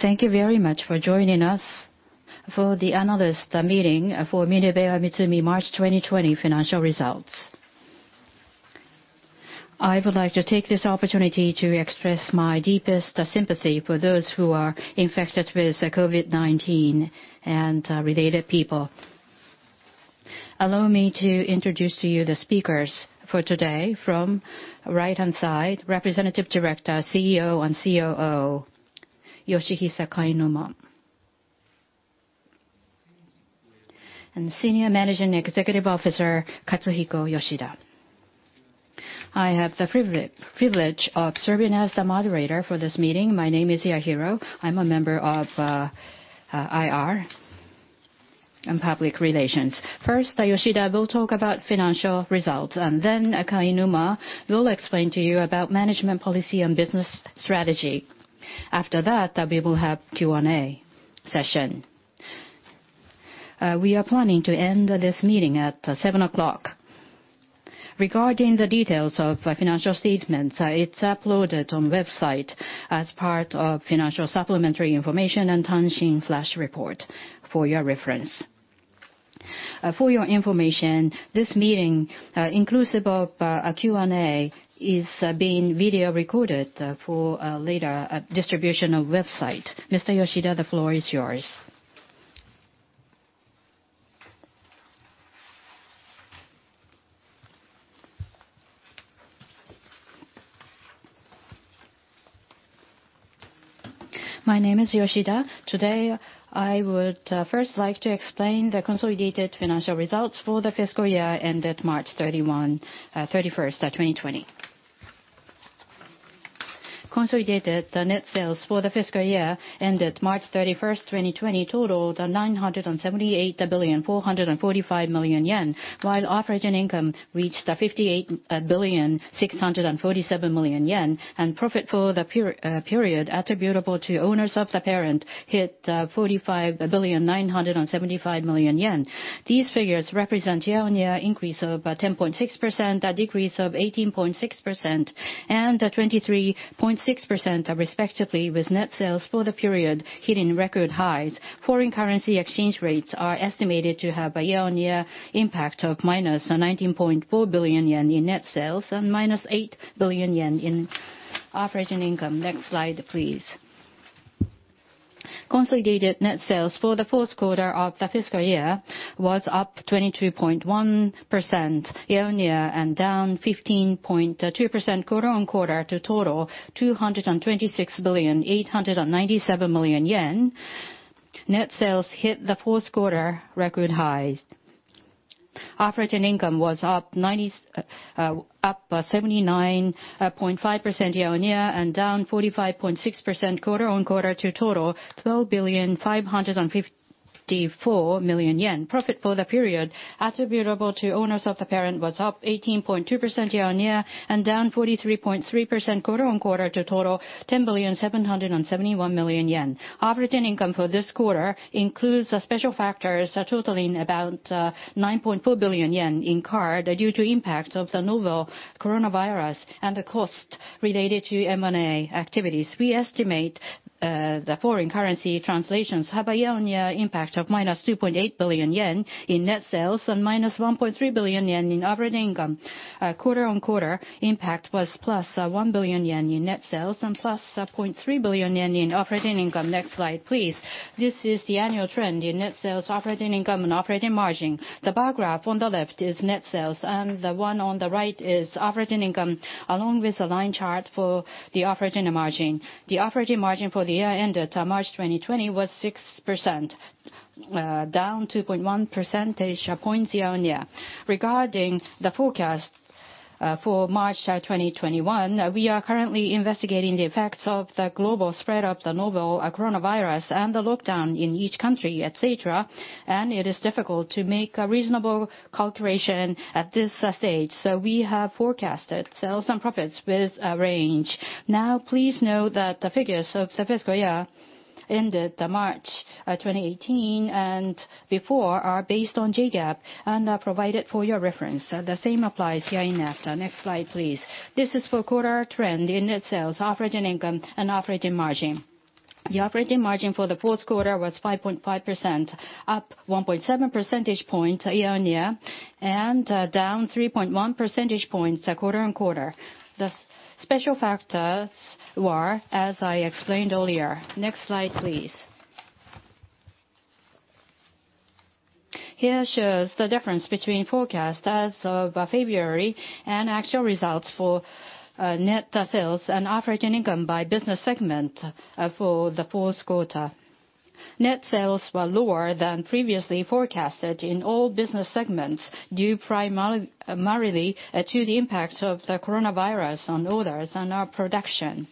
Thank you very much for joining us for the analyst meeting for MinebeaMitsumi March 2020 financial results. I would like to take this opportunity to express my deepest sympathy for those who are infected with COVID-19 and related people. Allow me to introduce to you the speakers for today. From right-hand side, Representative Director, CEO, and COO, Yoshihisa Kainuma. Senior Managing Executive Officer, Katsuhiko Yoshida. I have the privilege of serving as the moderator for this meeting. My name is Yahiro. I am a Member of IR and Public Relations. First, Yoshida will talk about financial results, and then Kainuma will explain to you about management policy and business strategy. After that, we will have Q&A session. We are planning to end this meeting at 7:00 P.M. Regarding the details of financial statements, it is uploaded on website as part of financial supplementary information and transient flash report for your reference. For your information, this meeting, inclusive of Q&A, is being video recorded for later distribution on website. Mr. Yoshida, the floor is yours. My name is Yoshida. Today, I would first like to explain the consolidated financial results for the fiscal year ended March 31st of 2020. Consolidated net sales for the fiscal year ended March 31st, 2020, totaled 978,445,000,000 yen, while operating income reached 58,647,000,000 yen, and profit for the period attributable to owners of the parent hit 45,975,000,000 yen. These figures represent year-on-year increase of 10.6%, a decrease of 18.6%, and a 23.6% respectively, with net sales for the period hitting record highs. Foreign currency exchange rates are estimated to have a year-on-year impact of -19.4 billion yen in net sales, and -8 billion yen in operating income. Next slide, please. Consolidated net sales for the fourth quarter of the fiscal year was up 22.1% year-on-year and down 15.2% quarter-on-quarter to a total of 226,897,000,000 yen. Net sales hit the fourth quarter record highs. Operating income was up 79.5% year-on-year and down 45.6% quarter-on-quarter to a total of 12,554,000,000 yen. Profit for the period attributable to owners of the parent was up 18.2% year-on-year and down 43.3% quarter-on-quarter to a total of 10,771,000,000 yen. Operating income for this quarter includes special factors totaling about 9.4 billion yen incurred due to impact of novel coronavirus and the cost related to M&A activities. We estimate the foreign currency translations have a year-on-year impact of -2.8 billion yen in net sales, and -1.3 billion yen in operating income. Quarter-on-quarter impact was +JPY 1 billion in net sales and +0.3 billion yen in operating income. Next slide, please. This is the annual trend in net sales, operating income, and operating margin. The bar graph on the left is net sales, and the one on the right is operating income, along with a line chart for the operating margin. The operating margin for the year ended March 2020 was 6%, down 2.1 percentage points year-on-year. Regarding the forecast for March 2021, we are currently investigating the effects of the global spread of the novel coronavirus and the lockdown in each country, et cetera, and it is difficult to make a reasonable calculation at this stage. We have forecasted sales and profits with a range. Please note that the figures of the fiscal year ended March 2018 and before are based on JGAAP and are provided for your reference. The same applies hereinafter. Next slide, please. This is full quarter trend in net sales, operating income, and operating margin. The operating margin for the fourth quarter was 5.5%, up 1.7 percentage points year-on-year, and down 3.1 percentage points quarter-on-quarter. The special factors were as I explained earlier. Next slide, please. Here shows the difference between forecast as of February and actual results for net sales and operating income by business segment for the fourth quarter. Net sales were lower than previously forecasted in all business segments, due primarily to the impact of the coronavirus on orders and our production.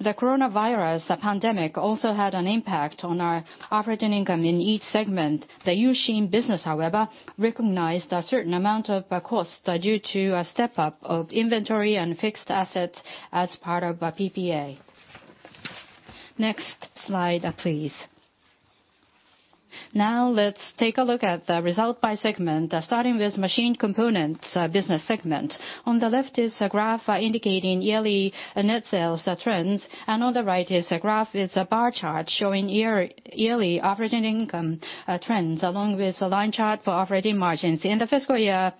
The coronavirus pandemic also had an impact on our operating income in each segment. The U-Shin business, however, recognized a certain amount of cost due to a step-up of inventory and fixed assets as part of a PPA. Next slide please. Let's take a look at the result by segment, starting with Machined Components business segment. On the left is a graph indicating yearly net sales trends, on the right is a bar chart showing yearly operating income trends, along with a line chart for operating margins. In the fiscal year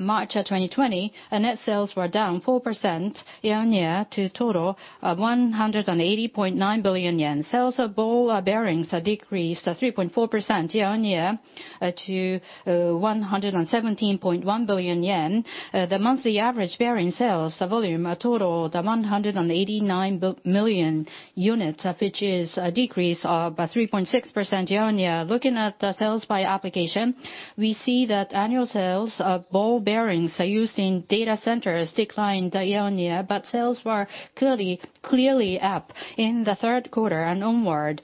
March 2020, net sales were down 4% year-on-year to a total of 180.9 billion yen. Sales of ball bearings decreased 3.4% year-on-year to 117.1 billion yen. The monthly average bearing sales volume totaled 189 million units, which is a decrease of 3.6% year-on-year. Looking at sales by application, we see that annual sales of ball bearings used in data centers declined year-on-year, but sales were clearly up in the third quarter and onward.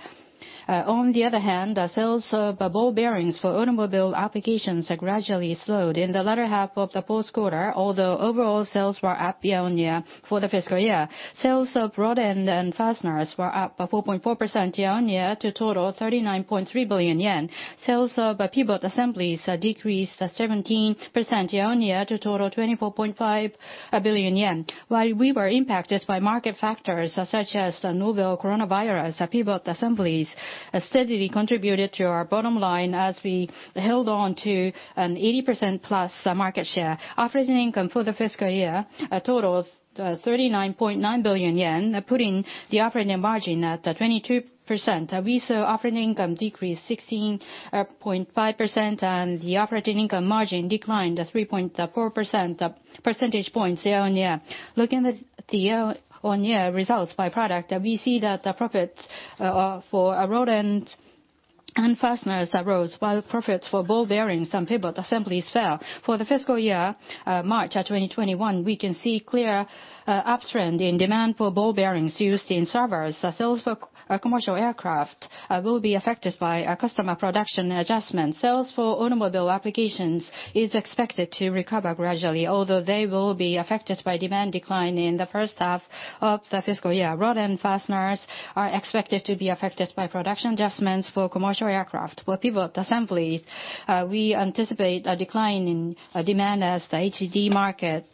On the other hand, sales of ball bearings for automobile applications gradually slowed in the latter half of the fourth quarter, although overall sales were up year-on-year for the fiscal year. Sales of rod end and fasteners were up by 4.4% year-on-year to a total of 39.3 billion yen. Sales of pivot assemblies decreased 17% year-on-year to a total of 24.5 billion yen. While we were impacted by market factors such as the novel coronavirus, pivot assemblies steadily contributed to our bottom line as we held on to an 80%+ market share. Operating income for the fiscal year totaled 39.9 billion yen, putting the operating margin at 22%. We saw operating income decrease 16.5%, and the operating income margin declined 3.4 percentage points year-on-year. Looking at the year-on-year results by product, we see that the profits for rod end and fasteners rose, while profits for ball bearings and pivot assemblies fell. For the fiscal year March 2021, we can see a clear uptrend in demand for ball bearings used in servers. The sales for commercial aircraft will be affected by customer production adjustments. Sales for automobile applications is expected to recover gradually, although they will be affected by demand decline in the first half of the fiscal year. Rod end fasteners are expected to be affected by production adjustments for commercial aircraft. For pivot assemblies, we anticipate a decline in demand as the HDD market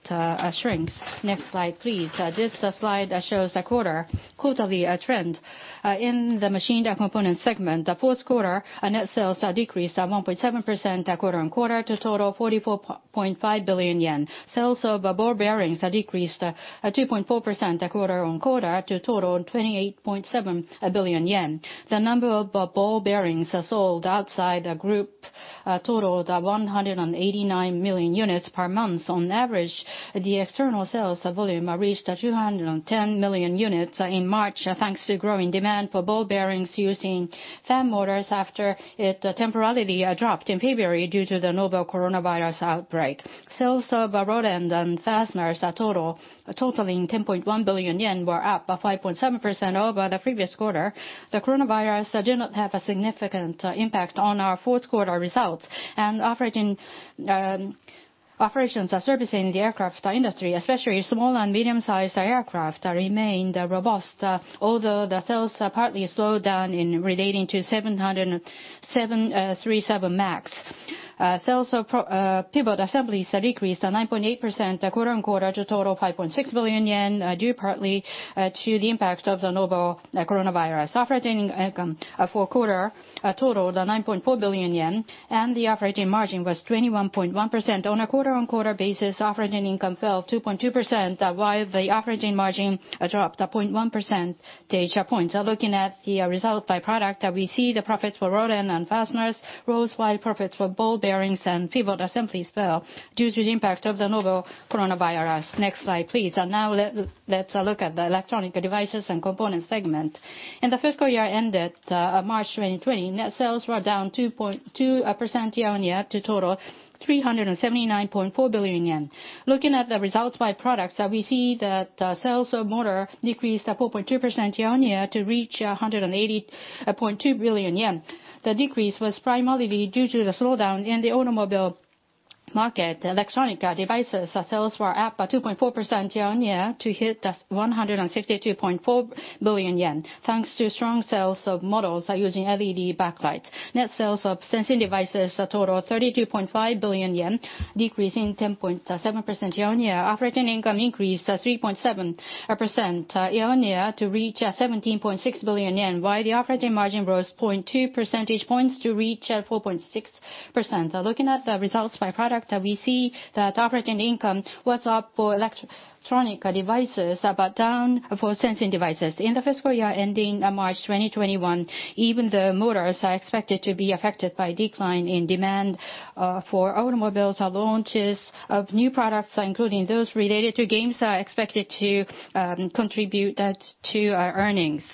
shrinks. Next slide, please. This slide shows a quarterly trend in the machine component segment. The fourth quarter net sales decreased 1.7% quarter-on-quarter to a total of 44.5 billion yen. Sales of ball bearings decreased 2.4% quarter-on-quarter to a total of 28.7 billion yen. The number of ball bearings sold outside the group totaled 189 million units per month on average. The external sales volume reached 210 million units in March, thanks to growing demand for ball bearings used in fan motors after it temporarily dropped in February due to the novel coronavirus outbreak. Sales of rod end and fasteners totaling 10.1 billion yen were up by 5.7% over the previous quarter. The coronavirus did not have a significant impact on our fourth quarter results, and operations servicing the aircraft industry, especially small and medium-sized aircraft, remained robust although the sales partly slowed down relating to 737 MAX. Sales of pivot assemblies decreased 9.8% quarter-on-quarter to a total of 5.6 billion yen, due partly to the impact of the novel coronavirus. Operating income for the quarter totaled 9.4 billion yen, and the operating margin was 21.1%. On a quarter-on-quarter basis, operating income fell 2.2%, while the operating margin dropped 0.1 percentage points. Looking at the results by product, we see the profits for rod end and fasteners rose, while profits for ball bearings and pivot assemblies fell due to the impact of the novel coronavirus. Next slide, please. Now let's look at the electronic devices and components segment. In the fiscal year ended March 2020, net sales were down 2% year-on-year to a total of 379.4 billion yen. Looking at the results by products, we see that sales of motors decreased 4.2% year-on-year to reach 180.2 billion yen. The decrease was primarily due to the slowdown in the automobile market. Electronic devices sales were up by 2.4% year-on-year to hit 162.4 billion yen, thanks to strong sales of models using LED backlights. Net sales of sensing devices totaled 32.5 billion yen, decreasing 10.7% year-on-year. Operating income increased 3.7% year-on-year to reach 17.6 billion yen, while the operating margin rose 0.2 percentage points to reach 4.6%. Looking at the results by product, we see that operating income was up for Electronic devices but down for sensing devices. In the fiscal year ending March 2021, even the motors are expected to be affected by a decline in demand for automobiles. Launches of new products, including those related to games, are expected to contribute to our earnings.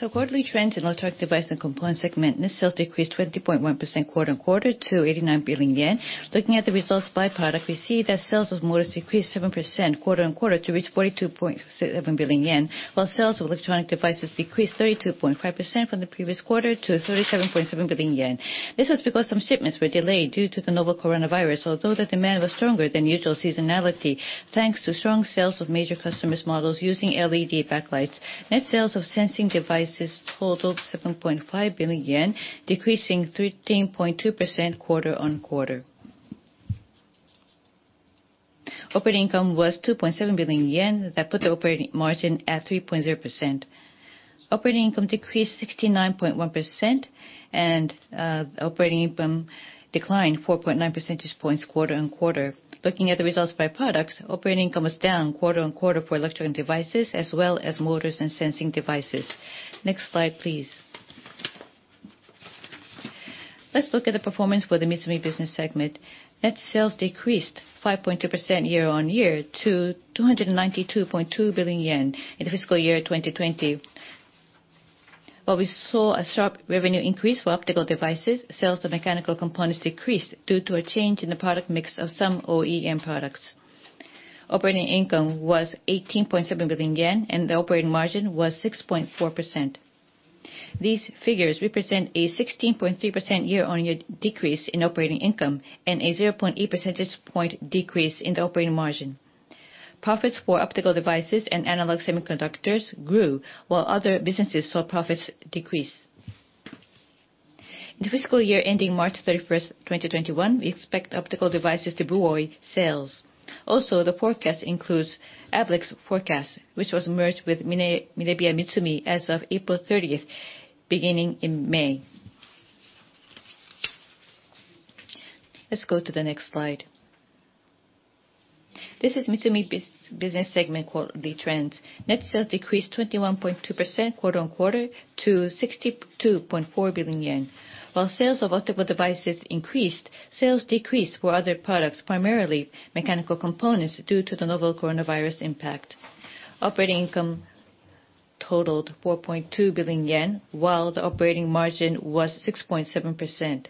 Quarterly trends in electronic device and component segment. Net sales decreased 20.1% quarter-on-quarter to 89 billion yen. Looking at the results by product, we see that sales of motors decreased 7% quarter-on-quarter to reach 42.7 billion yen. While sales of Electronic devices decreased 32.5% from the previous quarter to 37.7 billion yen. This was because some shipments were delayed due to the COVID-19, although the demand was stronger than usual seasonality, thanks to strong sales of major customers' models using LED backlights. Net sales of sensing devices totaled 7.5 billion yen, decreasing 13.2% quarter-on-quarter. Operating income was 2.7 billion yen. That put the operating margin at 3.0%. Operating income decreased 69.1%, and operating income declined 4.9 percentage points quarter-on-quarter. Looking at the results by products, operating income was down quarter-on-quarter for Electronic devices as well as motors and sensing devices. Next slide, please. Let's look at the performance for the MITSUMI business segment. Net sales decreased 5.2% year-on-year to 292.2 billion yen in the fiscal year 2020. While we saw a sharp revenue increase for optical devices, sales of Machined Components decreased due to a change in the product mix of some OEM products. Operating income was 18.7 billion yen, and the operating margin was 6.4%. These figures represent a 16.3% year-on-year decrease in operating income and a 0.8 percentage point decrease in the operating margin. Profits for optical devices and analog semiconductors grew, while other businesses saw profits decrease. In the fiscal year ending March 31st, 2021, we expect optical devices to buoy sales. The forecast includes ABLIC's forecast, which was merged with MinebeaMitsumi as of April 30th, beginning in May. Let's go to the next slide. This is MITSUMI business segment quarterly trends. Net sales decreased 21.2% quarter-on-quarter to 62.4 billion yen. While sales of optical devices increased, sales decreased for other products, primarily Machined Components, due to the novel coronavirus impact. Operating income totaled 4.2 billion yen, while the operating margin was 6.7%.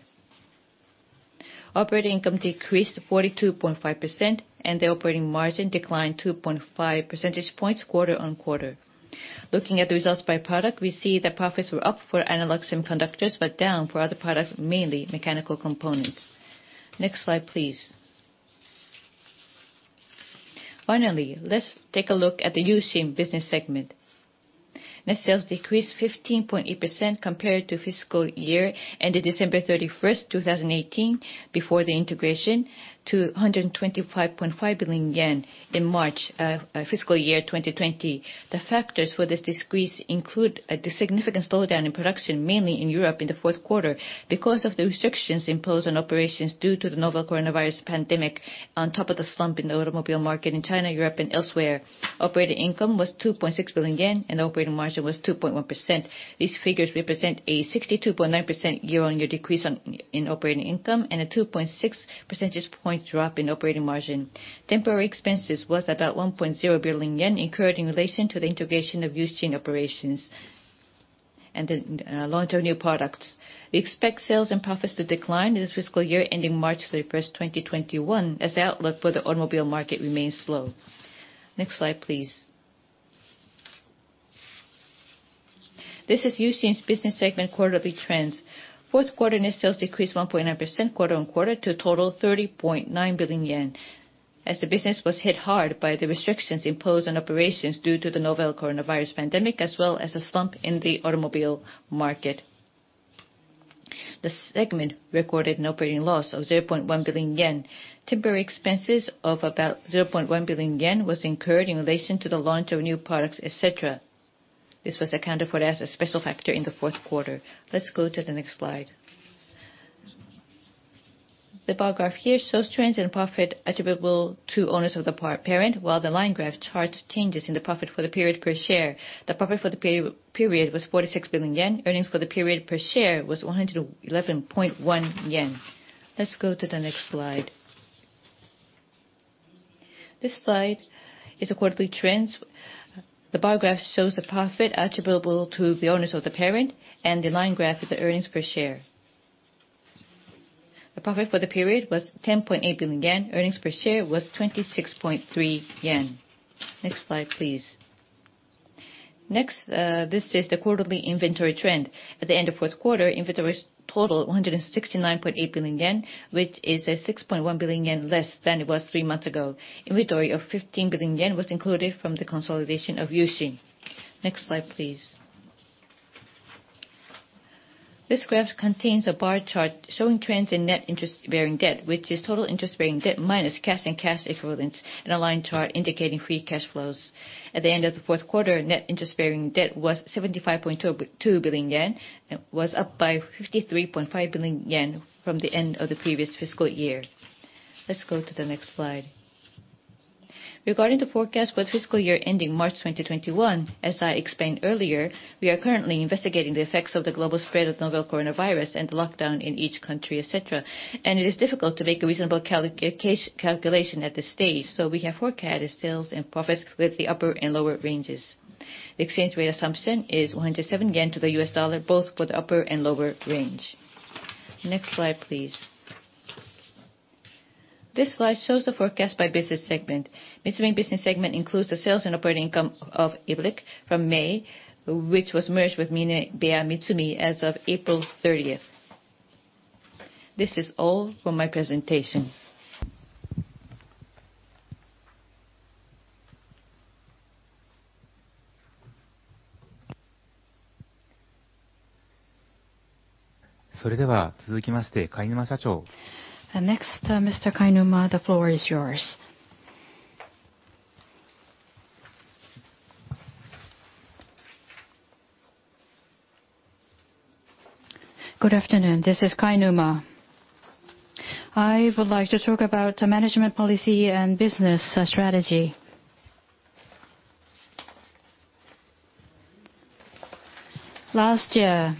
Operating income decreased 42.5%, and the operating margin declined 2.5 percentage points quarter-on-quarter. Looking at the results by product, we see that profits were up for analog semiconductors but down for other products, mainly Machined Components. Next slide, please. Finally, let's take a look at the U-Shin business segment. Net sales decreased 15.8% compared to fiscal year ended December 31st, 2018, before the integration, to 125.5 billion yen in March fiscal year 2020. The factors for this decrease include the significant slowdown in production, mainly in Europe in the fourth quarter, because of the restrictions imposed on operations due to the novel coronavirus pandemic, on top of the slump in the automobile market in China, Europe, and elsewhere. Operating income was 2.6 billion yen, and operating margin was 2.1%. These figures represent a 62.9% year-on-year decrease in operating income and a 2.6 percentage point drop in operating margin. Temporary expenses was about 1.0 billion yen incurred in relation to the integration of U-Shin operations and the launch of new products. We expect sales and profits to decline in the fiscal year ending March 31st, 2021, as the outlook for the automobile market remains slow. Next slide, please. This is U-Shin's business segment quarterly trends. Fourth quarter net sales decreased 1.9% quarter-on-quarter to a total of 30.9 billion yen, as the business was hit hard by the restrictions imposed on operations due to the novel coronavirus pandemic as well as a slump in the automobile market. The segment recorded an operating loss of 0.1 billion yen. Temporary expenses of about 0.1 billion yen was incurred in relation to the launch of new products, et cetera. This was accounted for as a special factor in the fourth quarter. Let's go to the next slide. The bar graph here shows trends in profit attributable to owners of the parent, while the line graph charts changes in the profit for the period per share. The profit for the period was 46 billion yen. Earnings for the period per share was 111.1 yen. Let's go to the next slide. This slide is the quarterly trends. The bar graph shows the profit attributable to the owners of the parent, and the line graph is the earnings per share. The profit for the period was 10.8 billion yen. Earnings per share was 26.3 yen. Next slide, please. Next, this is the quarterly inventory trend. At the end of fourth quarter, inventory totaled 169.8 billion yen, which is 6.1 billion yen less than it was three months ago. Inventory of 15 billion yen was included from the consolidation of U-Shin. Next slide, please. This graph contains a bar chart showing trends in net interest-bearing debt, which is total interest-bearing debt minus cash and cash equivalents, and a line chart indicating free cash flows. At the end of the fourth quarter, net interest-bearing debt was 75.2 billion yen and was up by 53.5 billion yen from the end of the previous fiscal year. Let's go to the next slide. Regarding the forecast for the fiscal year ending March 2021, as I explained earlier, we are currently investigating the effects of the global spread of novel coronavirus and the lockdown in each country, et cetera, and it is difficult to make a reasonable calculation at this stage. We have forecasted sales and profits with the upper and lower ranges. The exchange rate assumption is 107 yen to the U.S. dollar, both for the upper and lower range. Next slide, please. This slide shows the forecast by business segment. MITSUMI business segment includes the sales and operating income of ABLIC from May, which was merged with MinebeaMitsumi as of April 30th. This is all for my presentation. Next, Mr. Kainuma, the floor is yours. Good afternoon. This is Kainuma. I would like to talk about management policy and business strategy. Last year,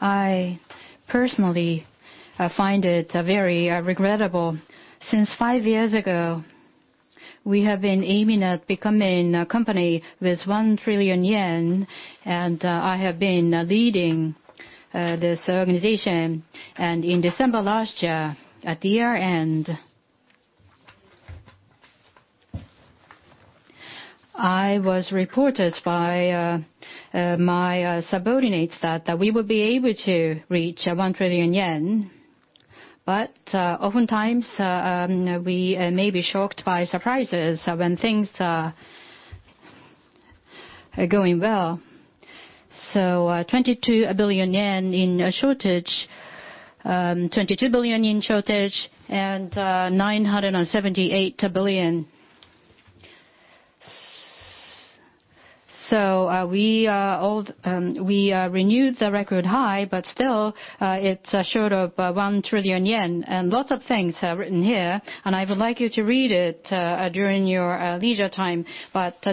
I personally find it very regrettable. Since five years ago, we have been aiming at becoming a company with 1 trillion yen, and I have been leading this organization. In December last year, at the year-end, I was reported by my subordinates that we would be able to reach 1 trillion yen. Oftentimes, we may be shocked by surprises when things are going well. 22 billion yen in shortage, and 978 billion. We renewed the record high, but still it's short of 1 trillion yen. Lots of things are written here, and I would like you to read it during your leisure time.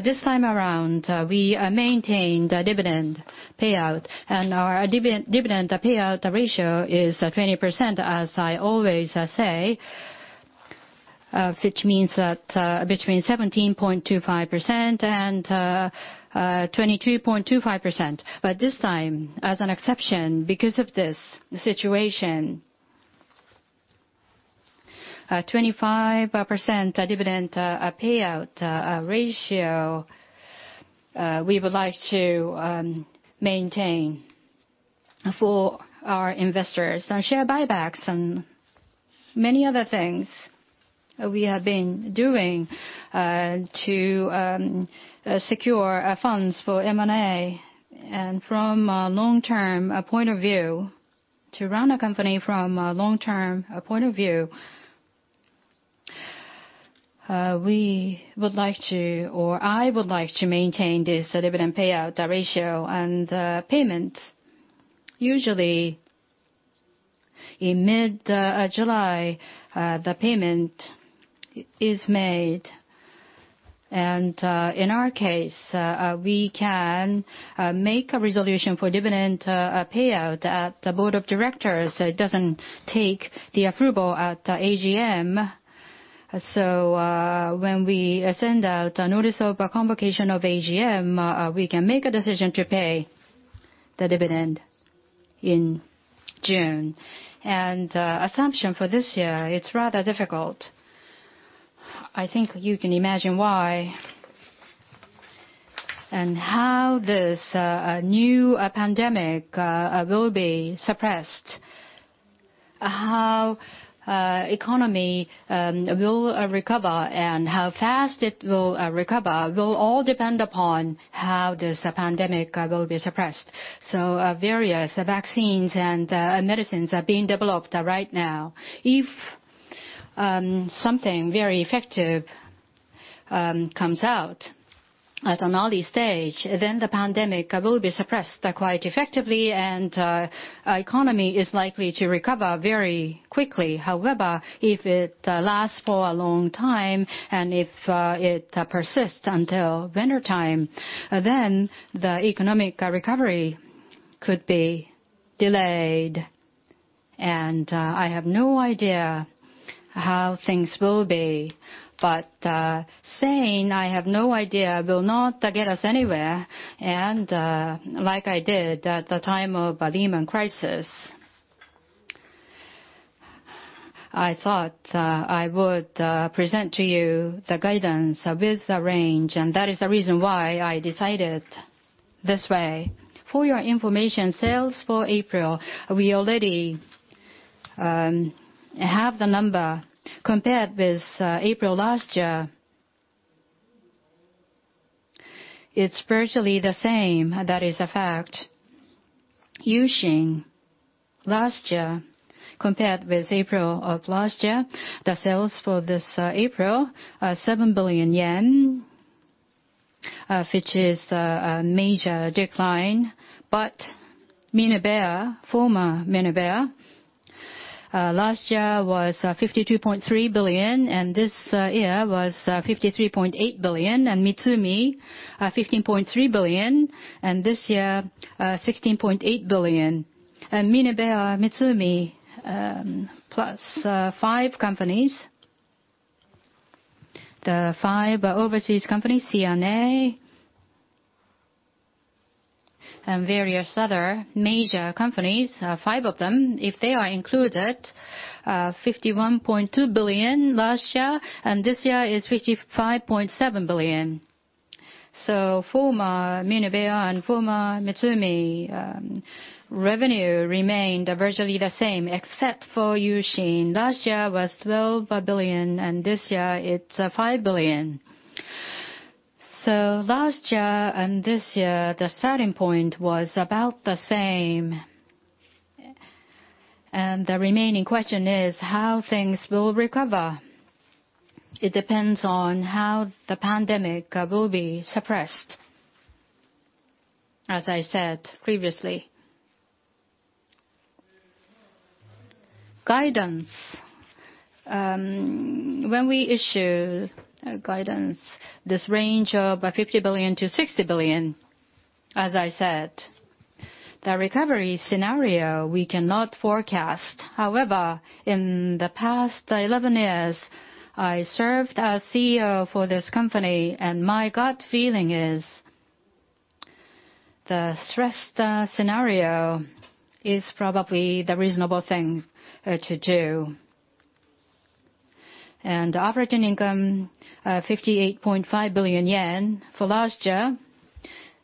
This time around, we maintained a dividend payout, and our dividend payout ratio is 20%, as I always say, which means that between 17.25% and 22.25%. This time, as an exception, because of this situation, 25% dividend payout ratio, we would like to maintain for our investors. Our share buybacks and many other things we have been doing to secure funds for M&A. From a long-term point of view, to run a company from a long-term point of view, we would like to, or I would like to, maintain this dividend payout ratio and payment. Usually, in mid-July, the payment is made. In our case, we can make a resolution for dividend payout at the Board of Directors, so it doesn't take the approval at the AGM. When we send out a notice of a convocation of AGM, we can make a decision to pay the dividend in June. Assumption for this year, it's rather difficult. I think you can imagine why and how this new pandemic will be suppressed. How the economy will recover and how fast it will recover will all depend upon how this pandemic will be suppressed. Various vaccines and medicines are being developed right now. If something very effective comes out at an early stage, then the pandemic will be suppressed quite effectively and the economy is likely to recover very quickly. If it lasts for a long time, and if it persists until winter time, then the economic recovery could be delayed. I have no idea how things will be. Saying I have no idea will not get us anywhere. Like I did at the time of the Lehman crisis, I thought I would present to you the guidance with the range, and that is the reason why I decided this way. For your information, sales for April, we already have the number. Compared with April last year, it's virtually the same. That is a fact. U-Shin, last year, compared with April of last year, the sales for this April, 7 billion yen, which is a major decline. Minebea, former Minebea, last year was 52.3 billion, and this year was 53.8 billion. MITSUMI, 15.3 billion, and this year, 16.8 billion. MinebeaMitsumi, plus five companies, the five overseas companies, C&A and various other major companies, five of them, if they are included, 51.2 billion last year, and this year is 55.7 billion. Former Minebea and former MITSUMI revenue remained virtually the same, except for U-Shin. Last year was 12 billion, and this year it's 5 billion. Last year and this year, the starting point was about the same. The remaining question is how things will recover. It depends on how the pandemic will be suppressed, as I said previously. Guidance. When we issue guidance, this range of 50 billion-60 billion, as I said, the recovery scenario, we cannot forecast. However, in the past 11 years, I served as CEO for this company, and my gut feeling is the stress scenario is probably the reasonable thing to do. Operating income, 58.5 billion yen for last year,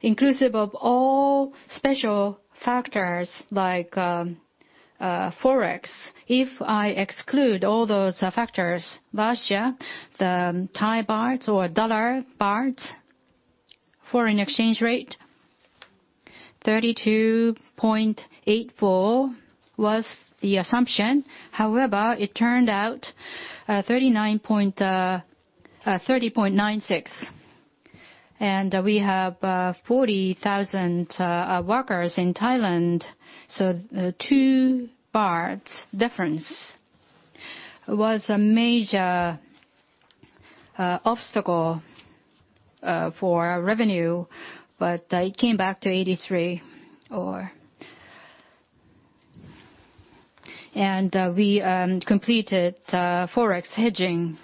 inclusive of all special factors like Forex. If I exclude all those factors, last year, the Thai baht or dollar baht foreign exchange rate, 32.84 was the assumption. It turned out 30.96. We have 40,000 workers in Thailand, so 2 difference was a major obstacle for revenue. It came back to 83. We completed Forex hedging.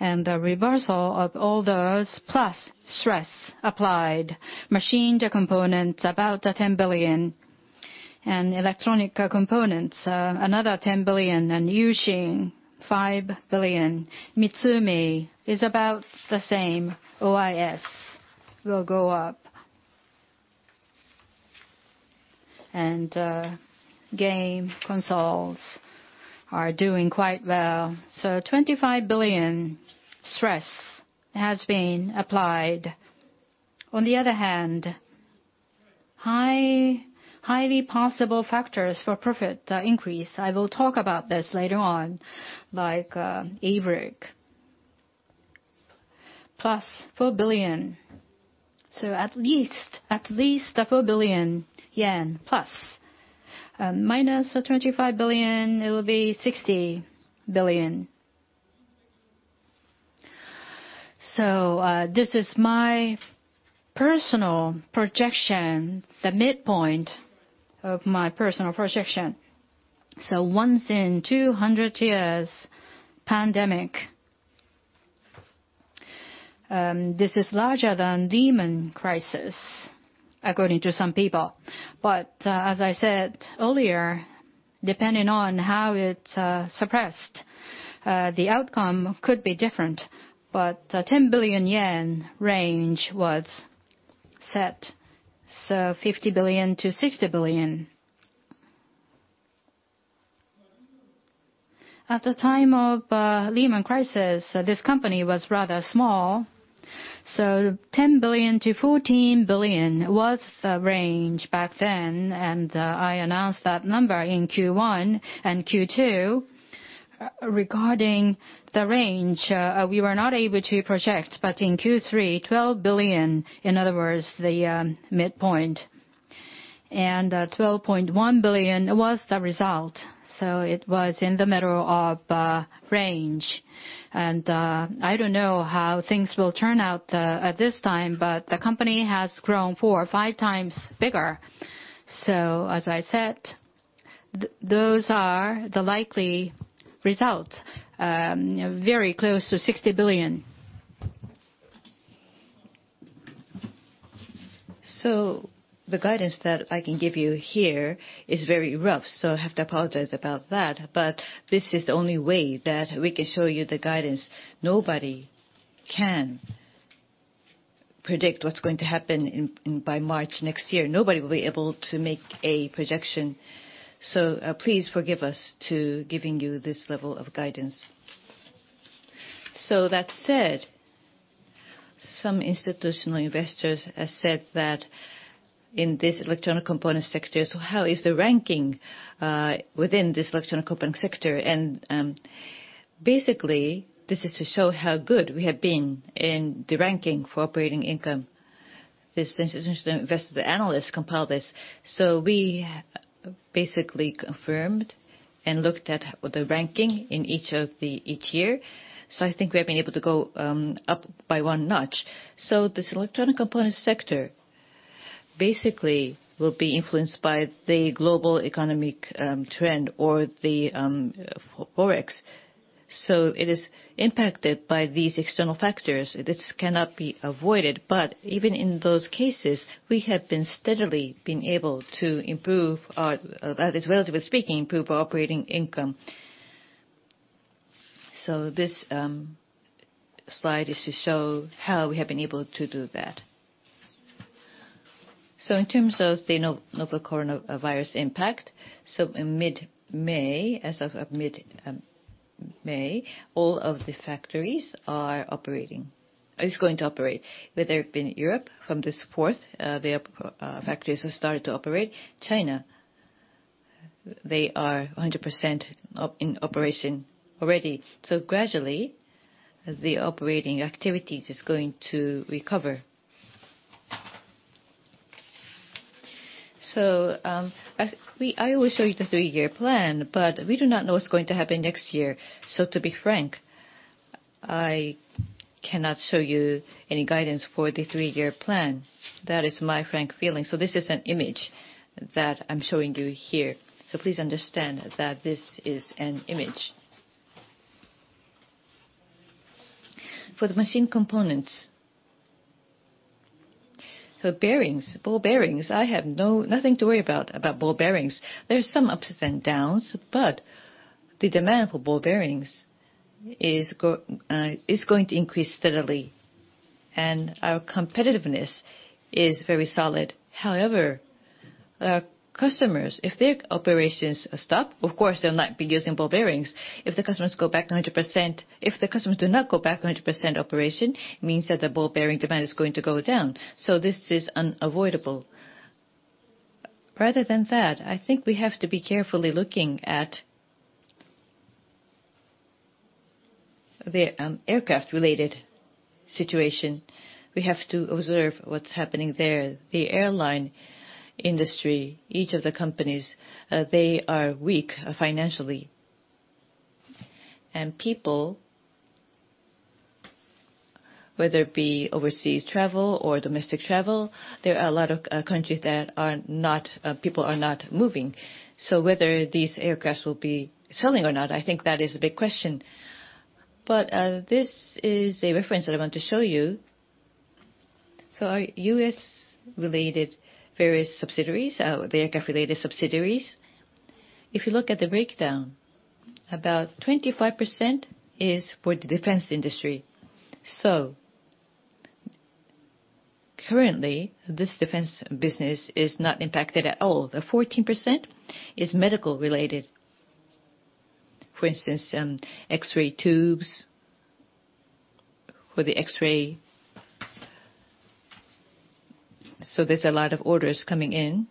The reversal of all those, plus stress applied. Machined Components, about 10 billion. Electronic components, another 10 billion. U-Shin, 5 billion. MITSUMI is about the same. OIS will go up. Game consoles are doing quite well. 25 billion stress has been applied. On the other hand, highly possible factors for profit increase, I will talk about this later on, like ABLIC +4 billion. At least 4 billion yen plus. -25 billion, it will be 60 billion. This is my personal projection, the midpoint of my personal projection. Once in 200 years pandemic. This is larger than Lehman crisis, according to some people. As I said earlier, depending on how it's suppressed, the outcome could be different. 10 billion yen range was set, so 50 billion-60 billion. At the time of Lehman crisis, this company was rather small, so 10 billion-14 billion was the range back then. I announced that number in Q1 and Q2. Regarding the range, we were not able to project, in Q3, 12 billion, in other words, the midpoint. 12.1 billion was the result, so it was in the middle of range. I don't know how things will turn out at this time, the company has grown four or five times bigger. As I said, those are the likely results, very close to JPY 60 billion. The guidance that I can give you here is very rough, I have to apologize about that. This is the only way that we can show you the guidance. Nobody can predict what's going to happen by March next year. Nobody will be able to make a projection. Please forgive us to giving you this level of guidance. That said, some institutional investors have said that in this electronic component sector, so how is the ranking within this electronic component sector? Basically, this is to show how good we have been in the ranking for operating income. This institutional investor analyst compiled this. We basically confirmed and looked at the ranking in each year. I think we have been able to go up by one notch. This electronic component sector basically will be influenced by the global economic trend or the Forex. It is impacted by these external factors. This cannot be avoided. Even in those cases, we have been steadily being able to, relatively speaking, improve our operating income. This slide is to show how we have been able to do that. In terms of the novel coronavirus impact, as of mid-May, all of the factories are going to operate. Whether it be in Europe, from the 4th, their factories have started to operate. China, they are 100% in operation already. Gradually, the operating activity is going to recover. I always show you the three-year plan, but we do not know what's going to happen next year. To be frank, I cannot show you any guidance for the three-year plan. That is my frank feeling. This is an image that I'm showing you here. Please understand that this is an image. For the Machined Components. For bearings, ball bearings, I have nothing to worry about ball bearings. There are some ups and downs, but the demand for ball bearings is going to increase steadily, and our competitiveness is very solid. However, our customers, if their operations are stopped, of course, they'll not be using ball bearings. If the customers do not go back 100% operation, it means that the ball bearing demand is going to go down. This is unavoidable. Rather than that, I think we have to be carefully looking at the aircraft-related situation. We have to observe what's happening there. The airline industry, each of the companies, they are weak financially. People, whether it be overseas travel or domestic travel, there are a lot of countries that people are not moving. Whether these aircraft will be selling or not, I think that is a big question. This is a reference that I want to show you. Our U.S.-related various subsidiaries, the aircraft-related subsidiaries, if you look at the breakdown, about 25% is for the defense industry. Currently, this defense business is not impacted at all. The 14% is medical related. For instance, some X-ray tubes for the X-ray. There's a lot of orders coming in,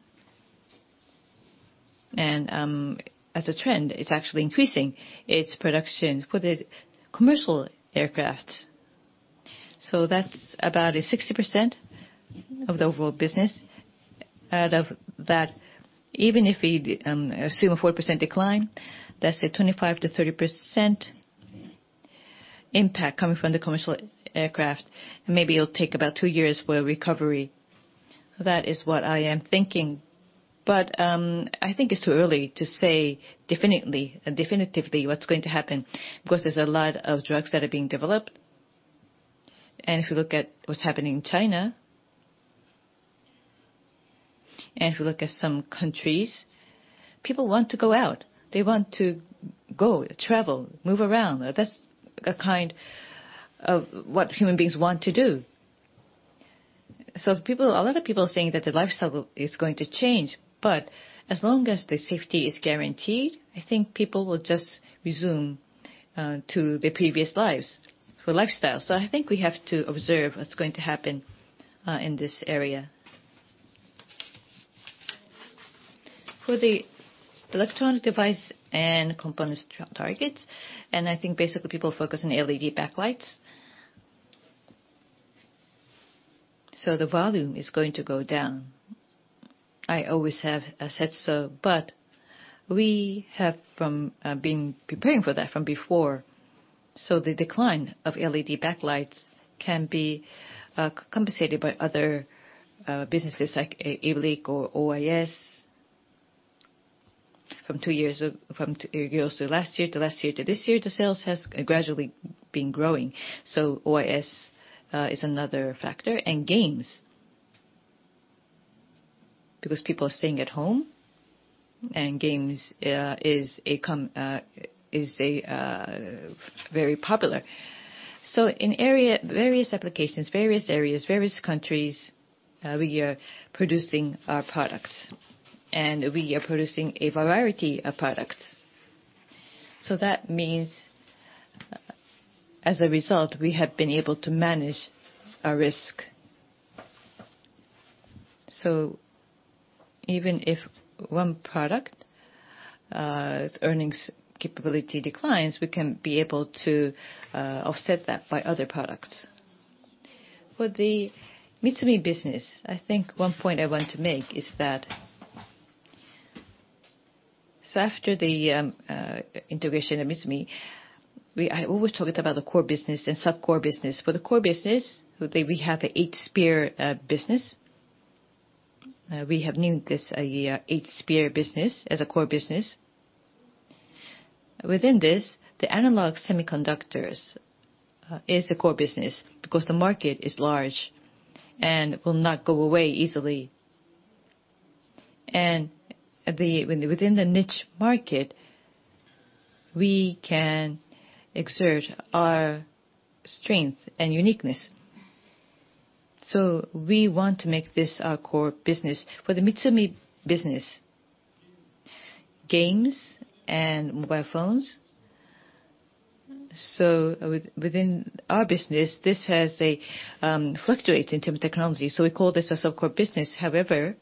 and as a trend, it's actually increasing its production for the commercial aircraft. That's about 60% of the overall business. Out of that, even if we assume a 40% decline, that's a 25%-30% impact coming from the commercial aircraft. Maybe it'll take about two years for recovery. That is what I am thinking. I think it's too early to say definitively what's going to happen, because there's a lot of drugs that are being developed. If you look at what's happening in China, and if you look at some countries, people want to go out. They want to go, travel, move around. That's what human beings want to do. A lot of people are saying that the lifestyle is going to change, but as long as the safety is guaranteed, I think people will just resume to their previous lives, for lifestyle. I think we have to observe what's going to happen in this area. For the electronic device and components targets, I think basically people focus on LED backlights. The volume is going to go down. I always have said so, we have been preparing for that from before. The decline of LED backlights can be compensated by other businesses like ABLIC or OIS. From two years to last year, to last year to this year, the sales has gradually been growing. OIS is another factor. Games, because people are staying at home, games is very popular. In various applications, various areas, various countries, we are producing our products. We are producing a variety of products. That means, as a result, we have been able to manage our risk. Even if one product's earnings capability declines, we can be able to offset that by other products. For the MITSUMI business, I think one point I want to make is that, after the integration of MITSUMI, I always talked about the core business and sub-core business. For the core business, we have the Eight Spears business. We have named this Eight Spears business as a core business. Within this, the analog semiconductors is the core business because the market is large and will not go away easily. Within the niche market, we can exert our strength and uniqueness. We want to make this our core business. For the MITSUMI business, games and mobile phones. Within our business, this has a fluctuate in terms of technology, so we call this a sub-core business. However,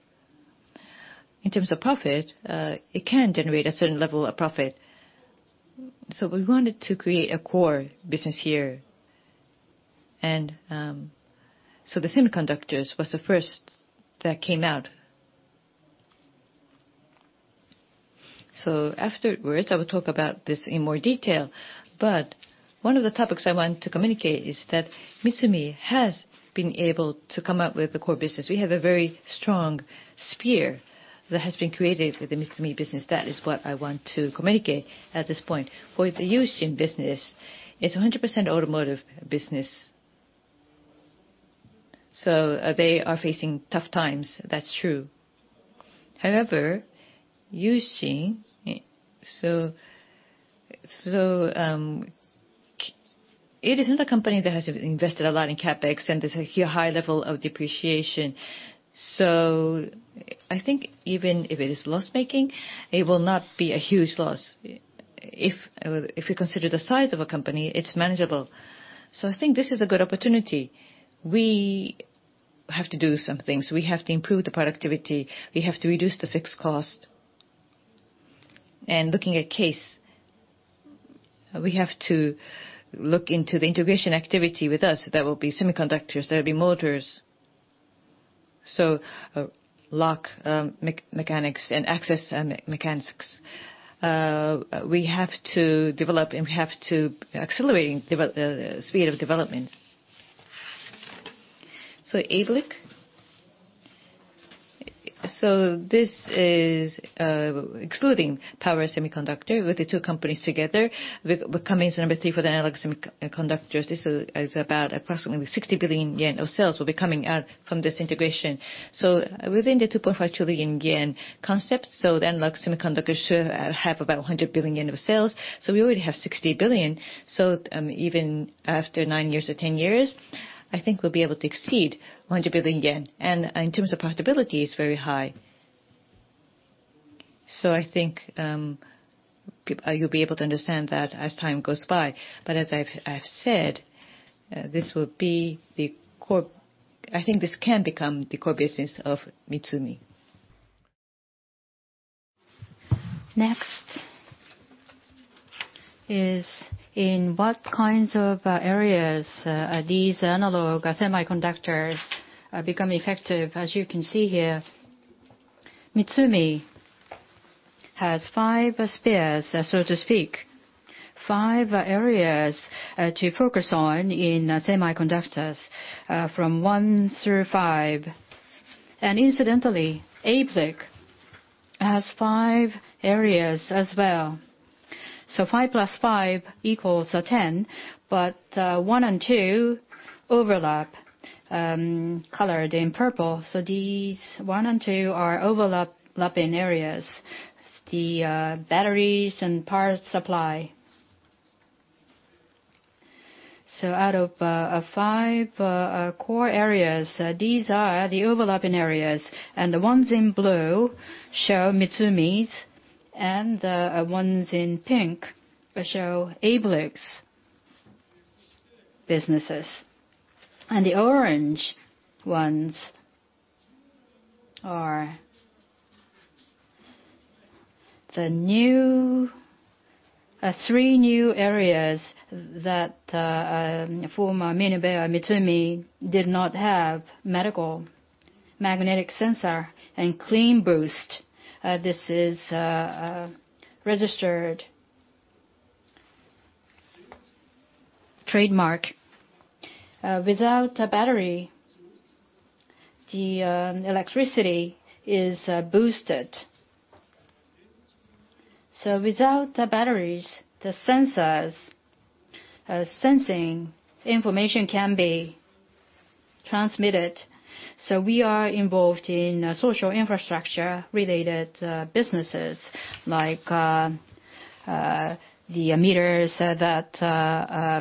in terms of profit, it can generate a certain level of profit. We wanted to create a core business here. The semiconductors was the first that came out. Afterwards, I will talk about this in more detail, but one of the topics I want to communicate is that MITSUMI has been able to come up with the core business. We have a very strong spear that has been created with the MITSUMI business. That is what I want to communicate at this point. For the U-Shin business, it's 100% automotive business. They are facing tough times, that's true. However, U-Shin, so it isn't a company that has invested a lot in CapEx, and there's a high level of depreciation. I think even if it is loss-making, it will not be a huge loss. If we consider the size of a company, it's manageable. I think this is a good opportunity. We have to do some things. We have to improve the productivity, we have to reduce the fixed cost. Looking at KIS, we have to look into the integration activity with us. There will be semiconductors, there will be motors. Lock mechanisms and access mechanisms. We have to develop, we have to accelerating the speed of development. ABLIC. This is excluding power semiconductor with the two companies together, becoming the number three for the analog semiconductors. This is about approximately 60 billion yen of sales will be coming out from this integration. Within the 2.5 trillion yen concept, the analog semiconductor should have about 100 billion yen of sales. We already have 60 billion, even after nine years or 10 years, I think we'll be able to exceed 100 billion yen. In terms of profitability, it's very high. I think you'll be able to understand that as time goes by. As I've said, I think this can become the core business of MITSUMI. Next is in what kinds of areas are these analog semiconductors becoming effective? As you can see here, MITSUMI has five spears, so to speak, five areas to focus on in semiconductors, from one through five. Incidentally, ABLIC has five areas as well. 5 + 5 = 10, but one and two overlap, colored in purple. These one and two are overlapping areas, the batteries and power supply. Out of five core areas, these are the overlapping areas. The ones in blue show MITSUMI's, and the ones in pink show ABLIC's businesses. The orange ones are the three new areas that former MinebeaMitsumi did not have, medical, magnetic sensor, and CLEAN-Boost. This is a registered trademark. Without a battery, the electricity is boosted. Without the batteries, the sensors, sensing information can be transmitted. We are involved in social infrastructure-related businesses, like the meters that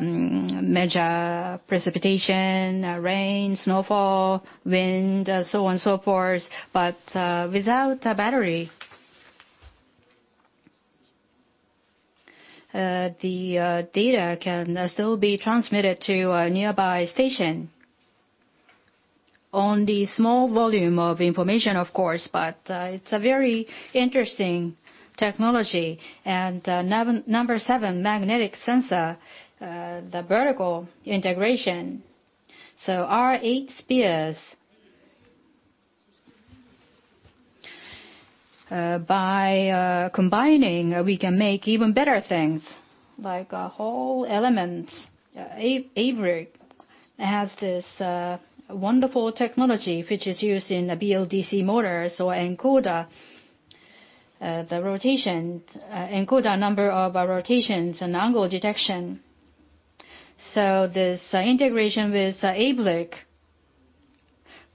measure precipitation, rain, snowfall, wind, so on and so forth. Without a battery, the data can still be transmitted to a nearby station. On the small volume of information, of course, but it's a very interesting technology. Number seven, magnetic sensor, the vertical integration. Our Eight Spears, by combining, we can make even better things, like Hall elements. ABLIC has this wonderful technology, which is used in BLDC motors or encoder. The rotation, encoder number of rotations and angle detection. This integration with ABLIC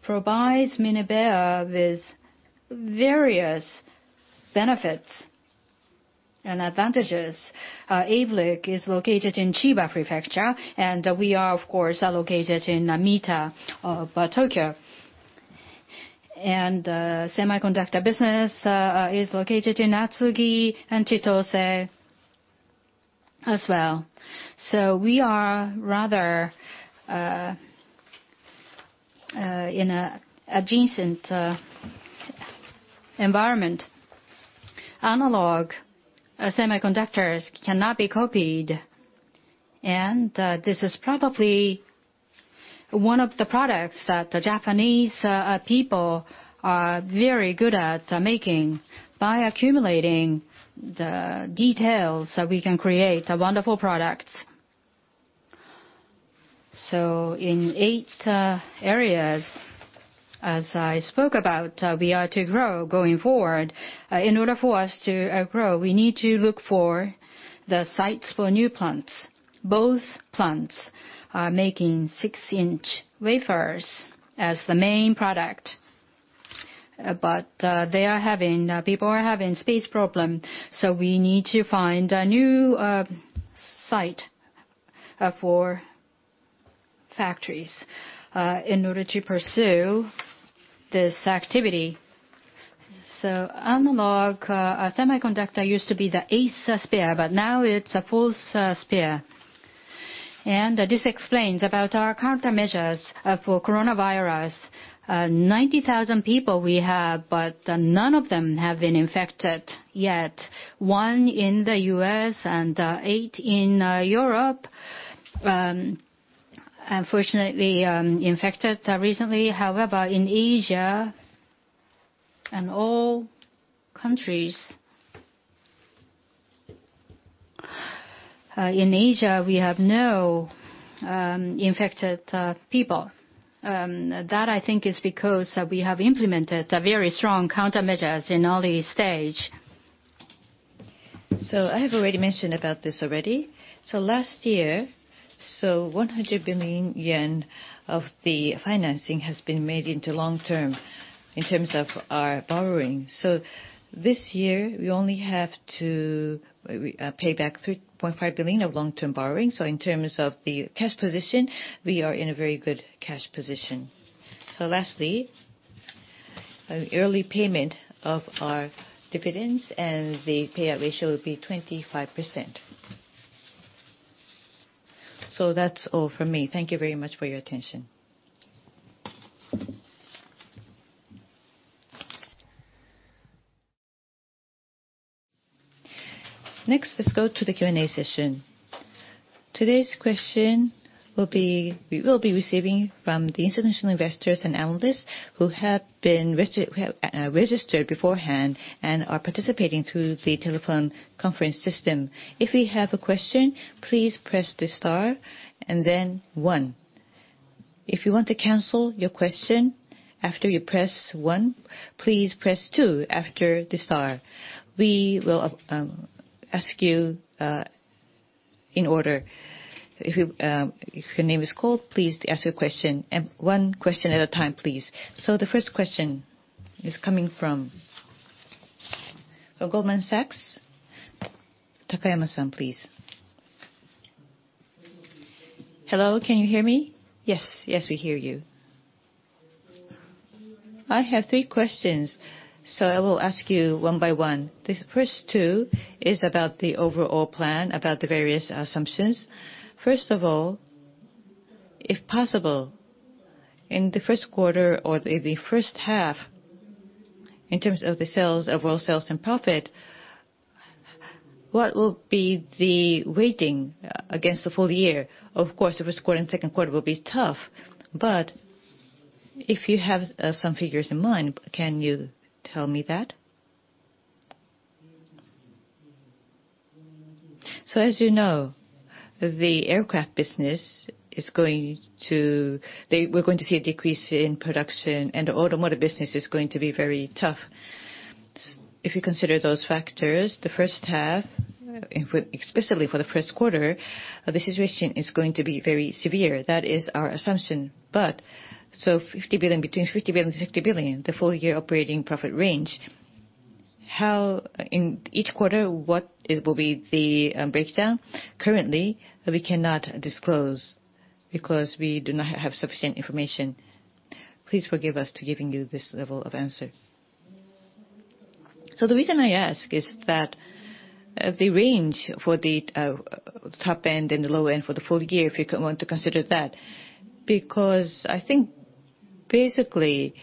provides Minebea with various benefits and advantages. ABLIC is located in Chiba Prefecture, and we are, of course, located in Mita, Tokyo. The semiconductor business is located in Atsugi and Chitose as well. We are rather a decent enevironment, analog semiconductors cannot be copied, and this is probably one of the products that the Japanese people are very good at making. By accumulating the details, we can create wonderful products. In Eight Spears, as I spoke about, we are to grow going forward. In order for us to grow, we need to look for the sites for new plants. Both plants are making 6 inch wafers as the main product, but people are having space problem, so we need to find a new site for factories in order to pursue this activity. Analog semiconductors used to be the eighth spear, but now it's a full spear. This explains about our countermeasures for COVID-19. 90,000 people we have, but none of them have been infected yet. One in the U.S. and eight in Europe, unfortunately, infected recently. However, in Asia and all countries, in Asia, we have no infected people. That, I think, is because we have implemented very strong countermeasures in early stage. I have already mentioned about this already. Last year, 100 billion yen of the financing has been made into long term in terms of our borrowing. This year, we only have to pay back 3.5 billion of long-term borrowing. In terms of the cash position, we are in a very good cash position. Lastly, an early payment of our dividends and the payout ratio will be 25%. That's all from me. Thank you very much for your attention. Next, let's go to the Q&A session. Today's question we will be receiving from the institutional investors and analysts who have registered beforehand and are participating through the telephone conference system. If you have a question, please press the star and then one. If you want to cancel your question after you press one, please press two after the star. We will ask you in order. If your name is called, please ask your question, and one question at a time, please. The first question is coming from Goldman Sachs. Takayama-san, please. Hello, can you hear me? Yes. Yes, we hear you. I have three questions. I will ask you one by one. The first two is about the overall plan, about the various assumptions. First of all, if possible, in the first quarter or the first half, in terms of the sales, overall sales and profit, what will be the waiting against the full year? Of course, the first quarter and second quarter will be tough. If you have some figures in mind, can you tell me that? As you know, the aircraft business, we're going to see a decrease in production, and the automotive business is going to be very tough. If you consider those factors, the first half, especially for the first quarter, the situation is going to be very severe. That is our assumption. Between 50 billion-60 billion, the full-year operating profit range. How, in each quarter, what will be the breakdown? Currently, we cannot disclose because we do not have sufficient information. Please forgive us to giving you this level of answer. The reason I ask is that the range for the top end and the low end for the full year, if you want to consider that. I think basically,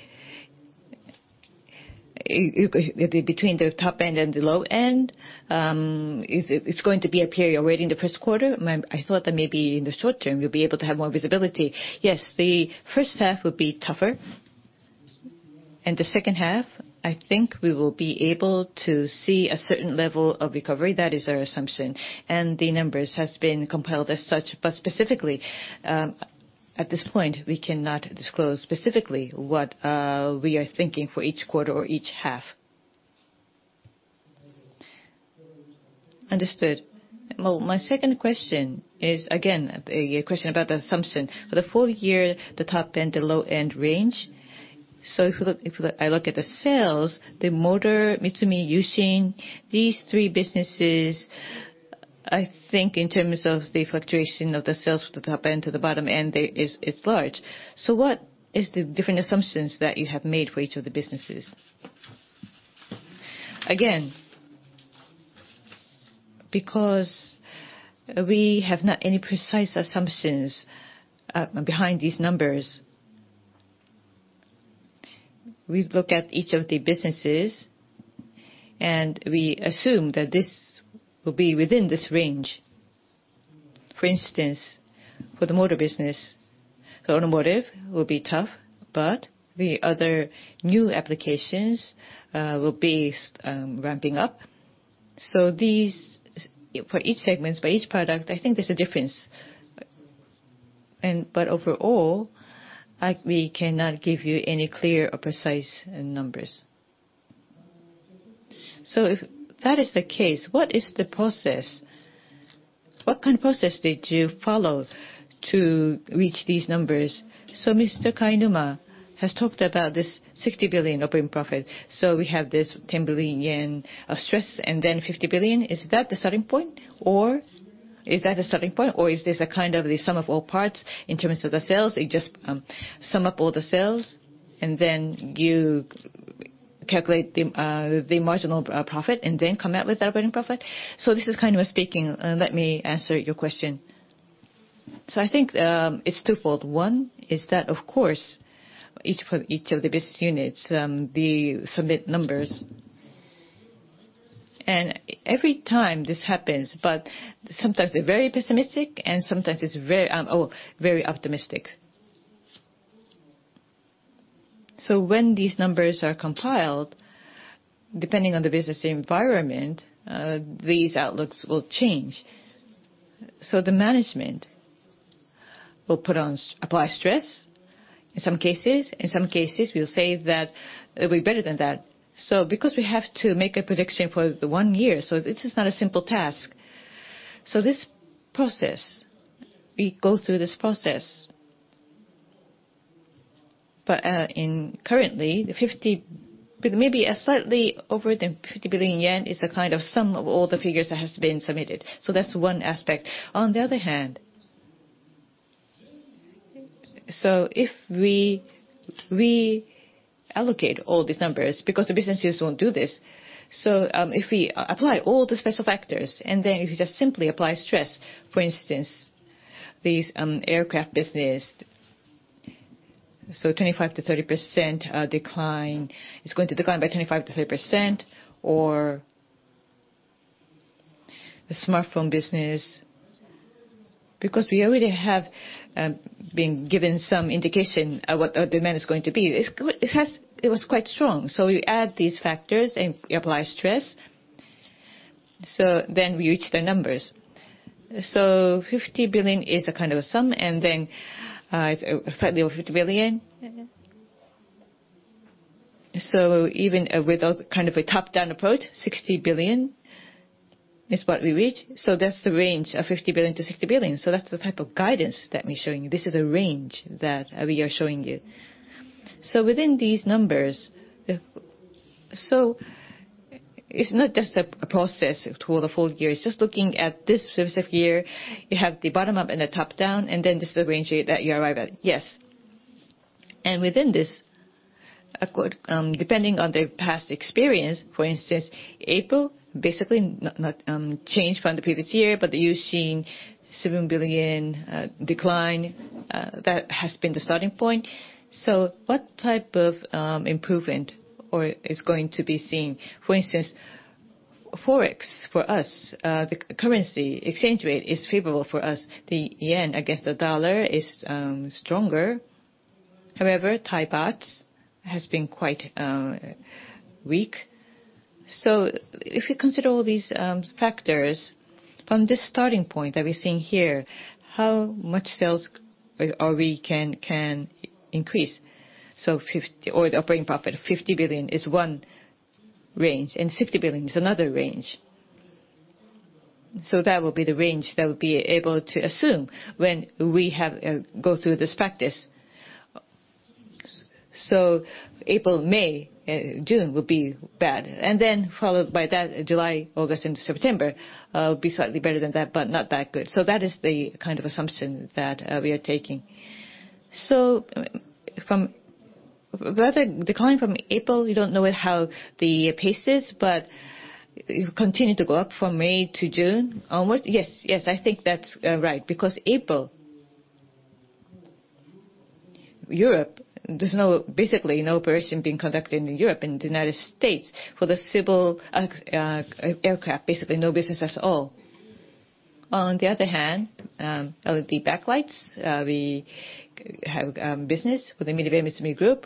between the top end and the low end, it's going to be a period waiting the first quarter. I thought that maybe in the short term, you'll be able to have more visibility. Yes. The first half will be tougher. In the second half, I think we will be able to see a certain level of recovery. That is our assumption. The numbers has been compiled as such. Specifically, at this point, we cannot disclose specifically what we are thinking for each quarter or each half. Understood. Well, my second question is, again, a question about the assumption. For the full year, the top end, the low end range. If I look at the sales, the motor, MITSUMI, U-Shin, these three businesses, I think in terms of the fluctuation of the sales from the top end to the bottom end, it's large. What is the different assumptions that you have made for each of the businesses? Again, because we have not any precise assumptions behind these numbers, we look at each of the businesses, and we assume that this will be within this range. For instance, for the motor business, the automotive will be tough, but the other new applications will be ramping up. For each segment, for each product, I think there's a difference. Overall, we cannot give you any clear or precise numbers. If that is the case, what is the process? What kind of process did you follow to reach these numbers? Mr. Kainuma has talked about this 60 billion operating profit. We have this 10 billion yen of stress, and then 50 billion. Is that the starting point, or is this a kind of the sum of all parts in terms of the sales? You just sum up all the sales, and then you calculate the marginal profit and then come out with the operating profit? This is kind of speaking, let me answer your question. I think it's twofold. One is that, of course, each of the business units, they submit numbers. Every time this happens, but sometimes they're very pessimistic and sometimes it's very optimistic. When these numbers are compiled, depending on the business environment, these outlooks will change. The management will apply stress in some cases. In some cases, we'll say that it'll be better than that. Because we have to make a prediction for the one year, this is not a simple task. This process, we go through this process. Currently, maybe slightly over the 50 billion yen is a kind of sum of all the figures that has been submitted. That's one aspect. On the other hand, if we reallocate all these numbers, because the businesses won't do this. If we apply all the special factors, and then if you just simply apply stress, for instance, this aircraft business. 25%-30% decline. It's going to decline by 25%-30%. The smartphone business, because we already have been given some indication of what the demand is going to be. It was quite strong. We add these factors and we apply stress. Then we reach the numbers. 50 billion is a kind of a sum, and then slightly over 50 billion. Even with a kind of a top-down approach, 60 billion is what we reach. That's the range of 50 billion-60 billion. That's the type of guidance that we're showing you. This is a range that we are showing you. Within these numbers, so it's not just a process for the full year. It's just looking at this specific year. You have the bottom up and the top down, and then this is the range that you arrive at. Yes. Within this accord, depending on the past experience, for instance, April, basically not changed from the previous year, but you're seeing 7 billion decline. That has been the starting point. What type of improvement is going to be seen? For instance, Forex for us, the currency exchange rate is favorable for us. The JPY against the USD is stronger. However, THB has been quite weak. If you consider all these factors, from this starting point that we're seeing here, how much sales are we can increase? The operating profit, 50 billion is one range and 60 billion is another range. That will be the range that we'll be able to assume when we go through this practice. April, May, June will be bad, and then followed by that, July, August, and September will be slightly better than that, but not that good. That is the kind of assumption that we are taking. From that decline from April, we don't know how the pace is, but you continue to go up from May to June, almost? Yes. I think that's right, because April, Europe, there's basically no production being conducted in Europe and the United States for the civil aircraft, basically, no business at all. On the other hand, the backlights, we have business with the MinebeaMitsumi Group.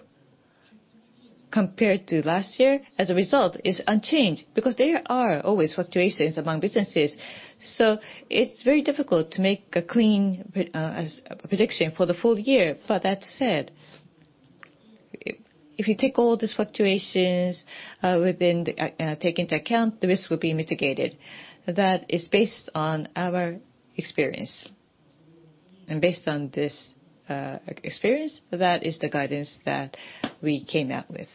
Compared to last year, as a result, it's unchanged because there are always fluctuations among businesses. It's very difficult to make a clean prediction for the full year. That said. If you take all these fluctuations within, take into account, the risk will be mitigated. That is based on our experience. Based on this experience, that is the guidance that we came up with.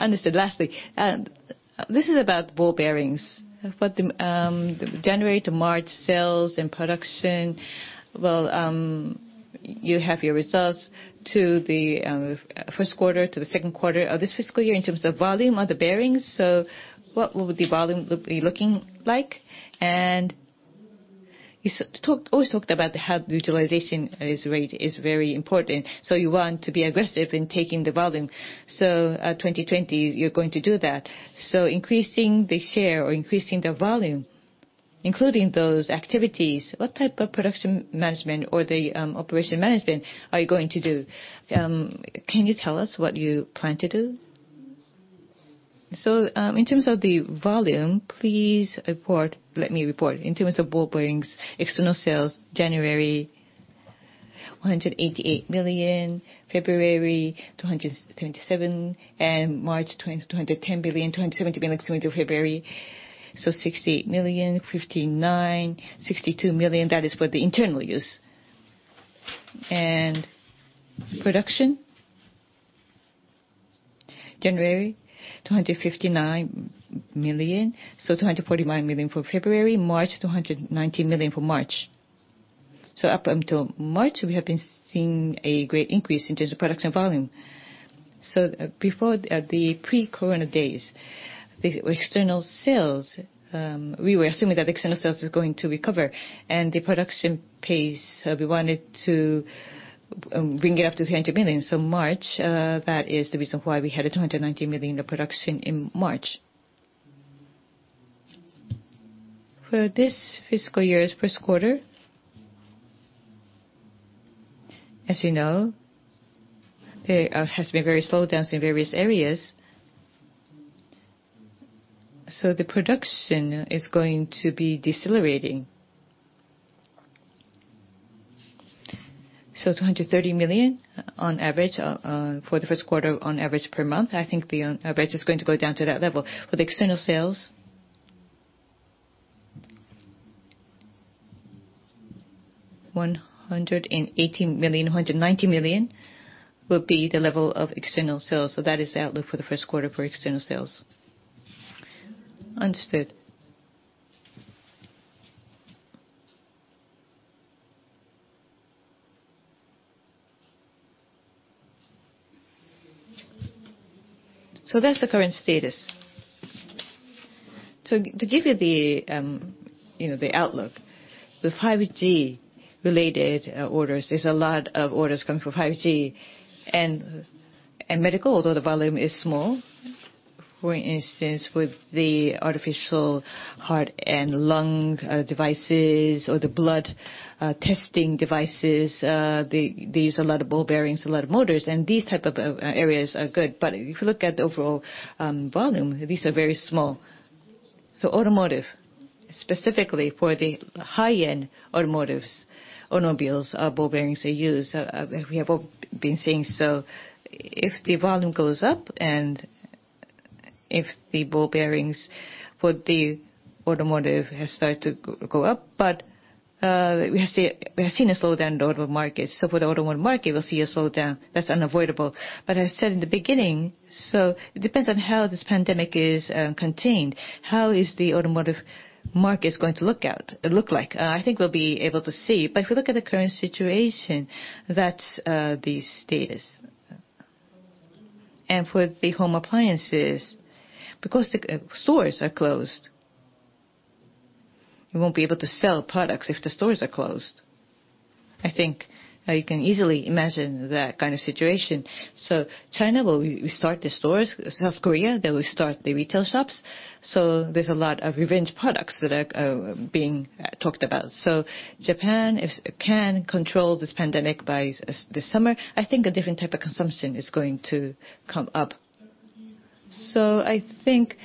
Understood. Lastly, this is about ball bearings. For the January to March sales and production, well, you have your results to the first quarter, to the second quarter of this fiscal year in terms of volume of the ball bearings. What would the volume be looking like? You always talked about how the utilization rate is very important, so you want to be aggressive in taking the volume. 2020, you're going to do that. Increasing the share or increasing the volume, including those activities, what type of production management or the operation management are you going to do? Can you tell us what you plan to do? In terms of the volume, please let me report. In terms of ball bearings, external sales, January, 188 million. February, 227 million. March, 210 million. 217 million, similar to February. 68 million, 59 million, 62 million, that is for the internal use. Production, January, 259 million. 249 million for February. March, 219 million for March. Up until March, we have been seeing a great increase in terms of production volume. Before the pre-COVID days, the external sales, we were assuming that external sales is going to recover. The production pace, we wanted to bring it up to 200 million. March, that is the reason why we had a 219 million of production in March. For this fiscal year's first quarter, as you know, it has been very slowed down in various areas. The production is going to be decelerating. 230 million on average for the first quarter, on average per month. I think the average is going to go down to that level. For the external sales, 180 million, 190 million will be the level of external sales. That is the outlook for the first quarter for external sales. Understood. That's the current status. To give you the outlook, the 5G related orders, there's a lot of orders coming from 5G. Medical, although the volume is small, for instance, with the artificial heart and lung devices or the blood testing devices, they use a lot of ball bearings, a lot of motors. These type of areas are good. If you look at the overall volume, these are very small. Automotive, specifically for the high-end automotives, automobiles, ball bearings are used. We have all been seeing, if the volume goes up and if the ball bearings for the automotive has started to go up. We have seen a slowdown in the automotive market. For the automotive market, we'll see a slowdown. That's unavoidable. I said in the beginning, it depends on how this pandemic is contained. How is the automotive market going to look like? I think we'll be able to see. If you look at the current situation, that's the status. For the home appliances, because the stores are closed, you won't be able to sell products if the stores are closed. I think you can easily imagine that kind of situation. China will restart the stores. South Korea, they will start the retail shops. There's a lot of revenge products that are being talked about. Japan, if it can control this pandemic by this summer, I think a different type of consumption is going to come up. I think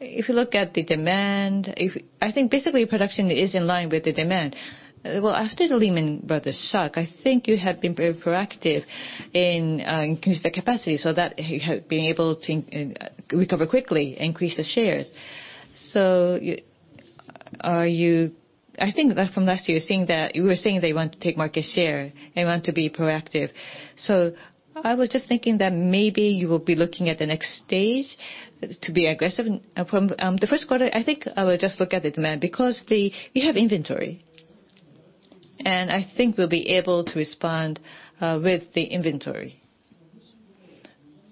if you look at the demand, I think basically production is in line with the demand. Well, after the Lehman Brothers shock, I think you have been very proactive in increasing the capacity so that being able to recover quickly, increase the shares. I think that from last year, you were saying that you want to take market share and want to be proactive. I was just thinking that maybe you will be looking at the next stage to be aggressive. From the first quarter, I think I will just look at the demand because you have inventory. I think we'll be able to respond with the inventory.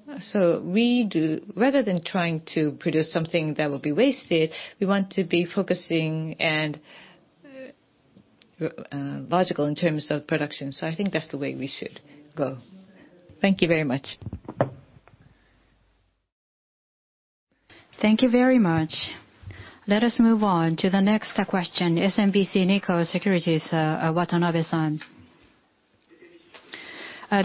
Rather than trying to produce something that will be wasted, we want to be focusing and logical in terms of production. I think that's the way we should go. Thank you very much. Thank you very much. Let us move on to the next question. SMBC Nikko Securities, Watanabe-san.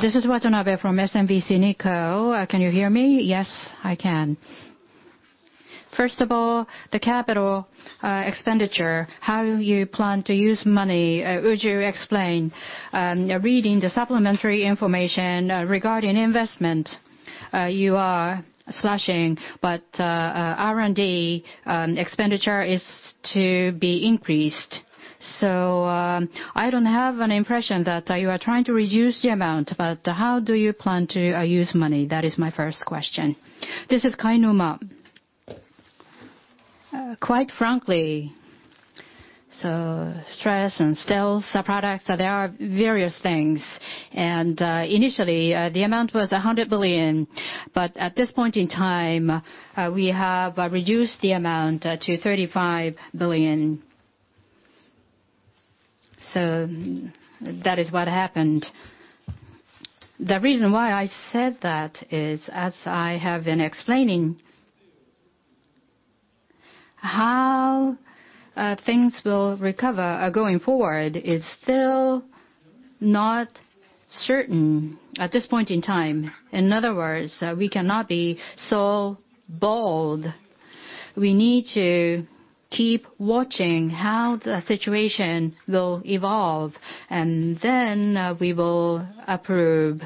This is Watanabe from SMBC Nikko. Can you hear me? Yes, I can. First of all, the CapEx, how you plan to use money. Would you explain? Reading the supplementary information regarding investment, you are slashing. R&D expenditure is to be increased. I don't have an impression that you are trying to reduce the amount. How do you plan to use money? That is my first question. This is Kainuma. Quite frankly, stress and sales products, there are various things. Initially, the amount was 100 billion, but at this point in time, we have reduced the amount to 35 billion. That is what happened. The reason why I said that is, as I have been explaining, how things will recover going forward is still not certain at this point in time. In other words, we cannot be so bold. We need to keep watching how the situation will evolve, then we will approve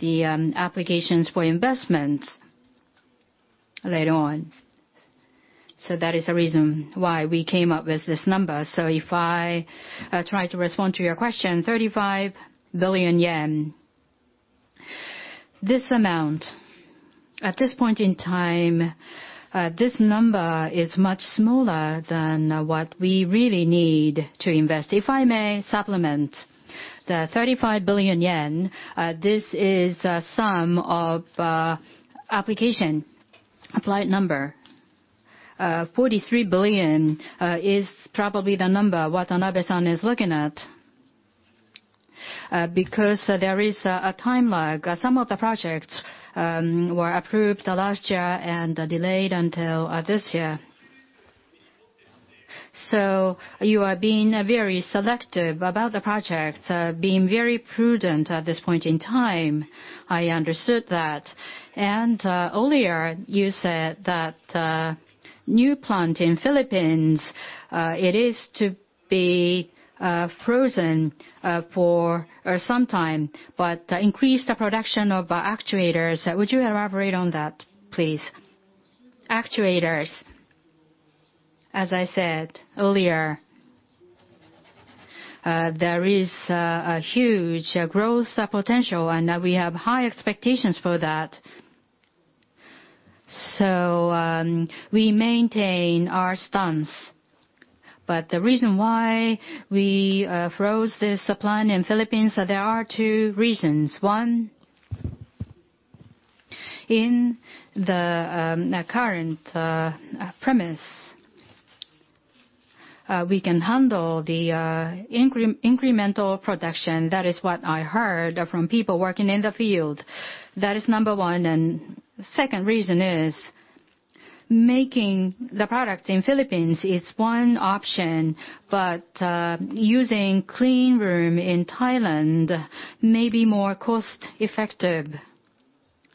the applications for investment later on. That is the reason why we came up with this number. If I try to respond to your question, 35 billion yen. This amount, at this point in time, this number is much smaller than what we really need to invest. If I may supplement, the 35 billion yen, this is a sum of application applied number. 43 billion is probably the number Watanabe-san is looking at. There is a time lag. Some of the projects were approved last year and delayed until this year. You are being very selective about the projects, being very prudent at this point in time. I understood that. Earlier, you said that new plant in Philippines, it is to be frozen for some time, but increase the production of actuators. Would you elaborate on that, please? Actuators, as I said earlier, there is a huge growth potential, and we have high expectations for that. We maintain our stance. The reason why we froze this plant in Philippines, there are two reasons. One, in the current premise, we can handle the incremental production. That is what I heard from people working in the field. That is number one. Second reason is, making the product in Philippines is one option, but using clean room in Thailand may be more cost-effective.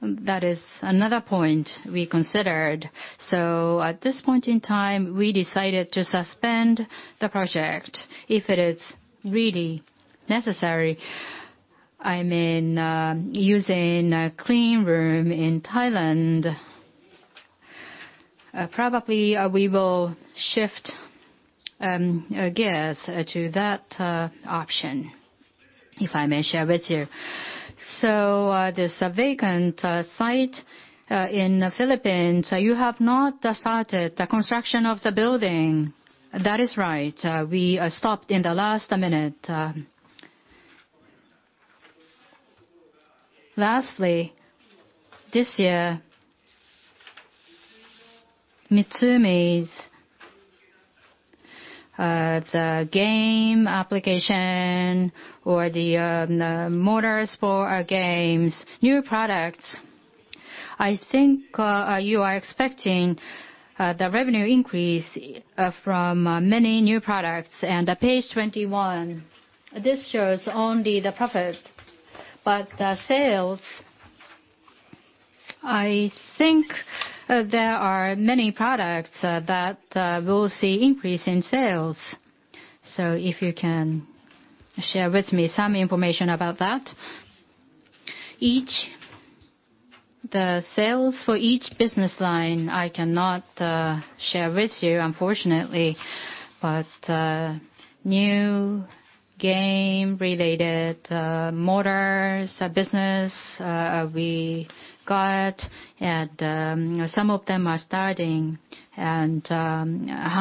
That is another point we considered. At this point in time, we decided to suspend the project. If it is really necessary, using a clean room in Thailand, probably we will shift gears to that option, if I may share with you. There's a vacant site in the Philippines, you have not started the construction of the building? That is right. We stopped in the last minute. Lastly, this year, MITSUMI's, the game application or the motors for games, new products. I think you are expecting the revenue increase from many new products. Page 21, this shows only the profit, but the sales, I think there are many products that will see increase in sales. If you can share with me some information about that. The sales for each business line, I cannot share with you, unfortunately. New game-related motors business we got, and some of them are starting. How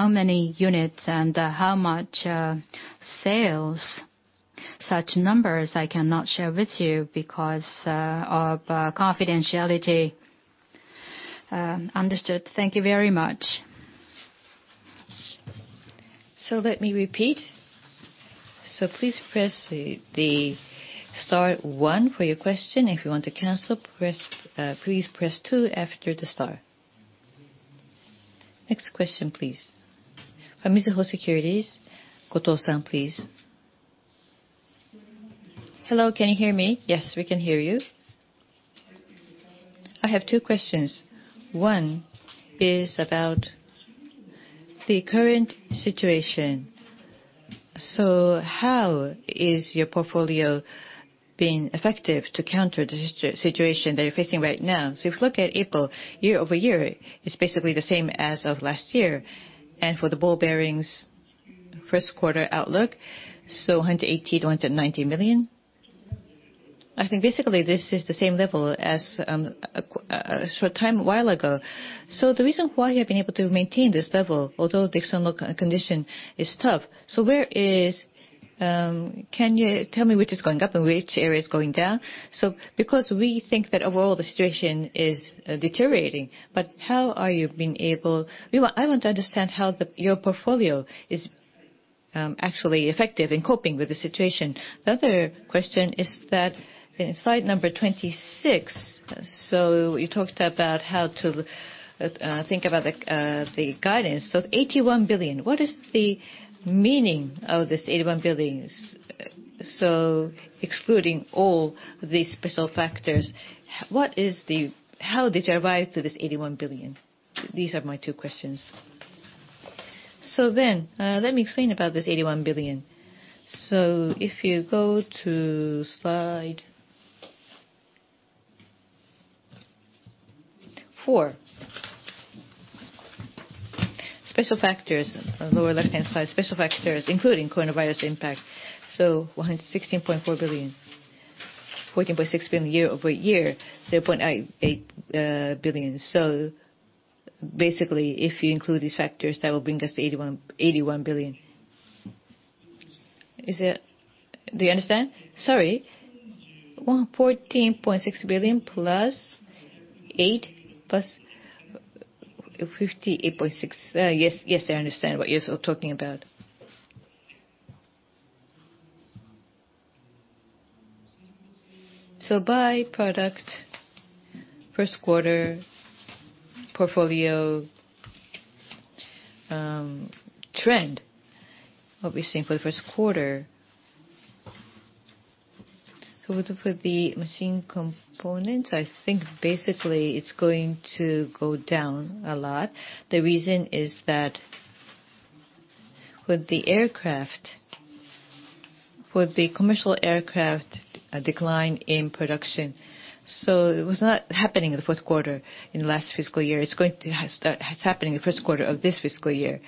many units and how much sales, such numbers I cannot share with you because of confidentiality. Understood. Thank you very much. Let me repeat. Please press the star one for your question. If you want to cancel, please press two after the star. Next question, please. From Mizuho Securities, Goto-san, please. Hello, can you hear me? Yes, we can hear you. I have two questions. One is about the current situation. How is your portfolio being effective to counter the situation that you're facing right now? If you look at April, year-over-year, it's basically the same as of last year. For the ball bearings first quarter outlook, so 180 million-190 million. I think basically this is the same level as a short time a while ago. The reason why you have been able to maintain this level, although the external condition is tough. Can you tell me which is going up and which area is going down? Because we think that overall the situation is deteriorating, but how are you being able I want to understand how your portfolio is actually effective in coping with the situation. The other question is that in slide number 26, you talked about how to think about the guidance. 81 billion, what is the meaning of this 81 billion? Excluding all these special factors, how did you arrive to this 81 billion? These are my two questions. Then, let me explain about this 81 billion. If you go to slide four. Special factors on lower left-hand side. Special factors, including COVID-19 impact. 116.4 billion, 14.6 billion year-over-year, 8 billion. Basically if you include these factors, that will bring us to 81 billion. Do you understand? Sorry. 14.6 billion plus 8 billion plus 58.6 billion. Yes, I understand what you're talking about. By product, first quarter portfolio trend, what we're seeing for the first quarter. With the Machined Components, I think basically it's going to go down a lot. The reason is that with the commercial aircraft decline in production, it was not happening in the fourth quarter in last fiscal year. It's happening in first quarter of this fiscal year.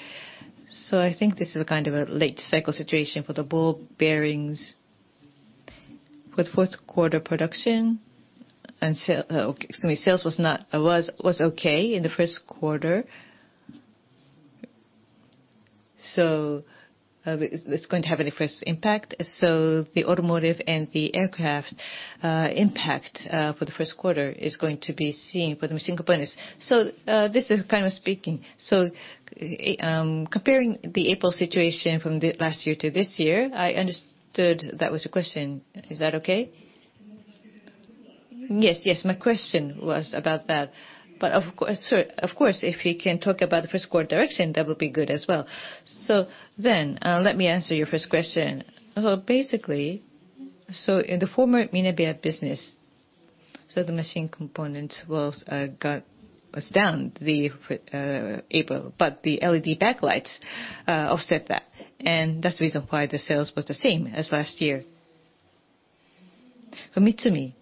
I think this is a kind of a late cycle situation for the ball bearings. With fourth quarter production and sales was okay in the first quarter. It's going to have an adverse impact. The automotive and the aircraft impact for the first quarter is going to be seen for the Machined Components. This is kind of speaking. Comparing the April situation from last year to this year, I understood that was the question. Is that okay? Yes. Yes. My question was about that. Of course, if you can talk about the first quarter direction, that would be good as well. Let me answer your first question. Basically, in the former Minebea business, the Machined Components was down April, but the LED backlights offset that. That's the reason why the sales was the same as last year. For MITSUMI,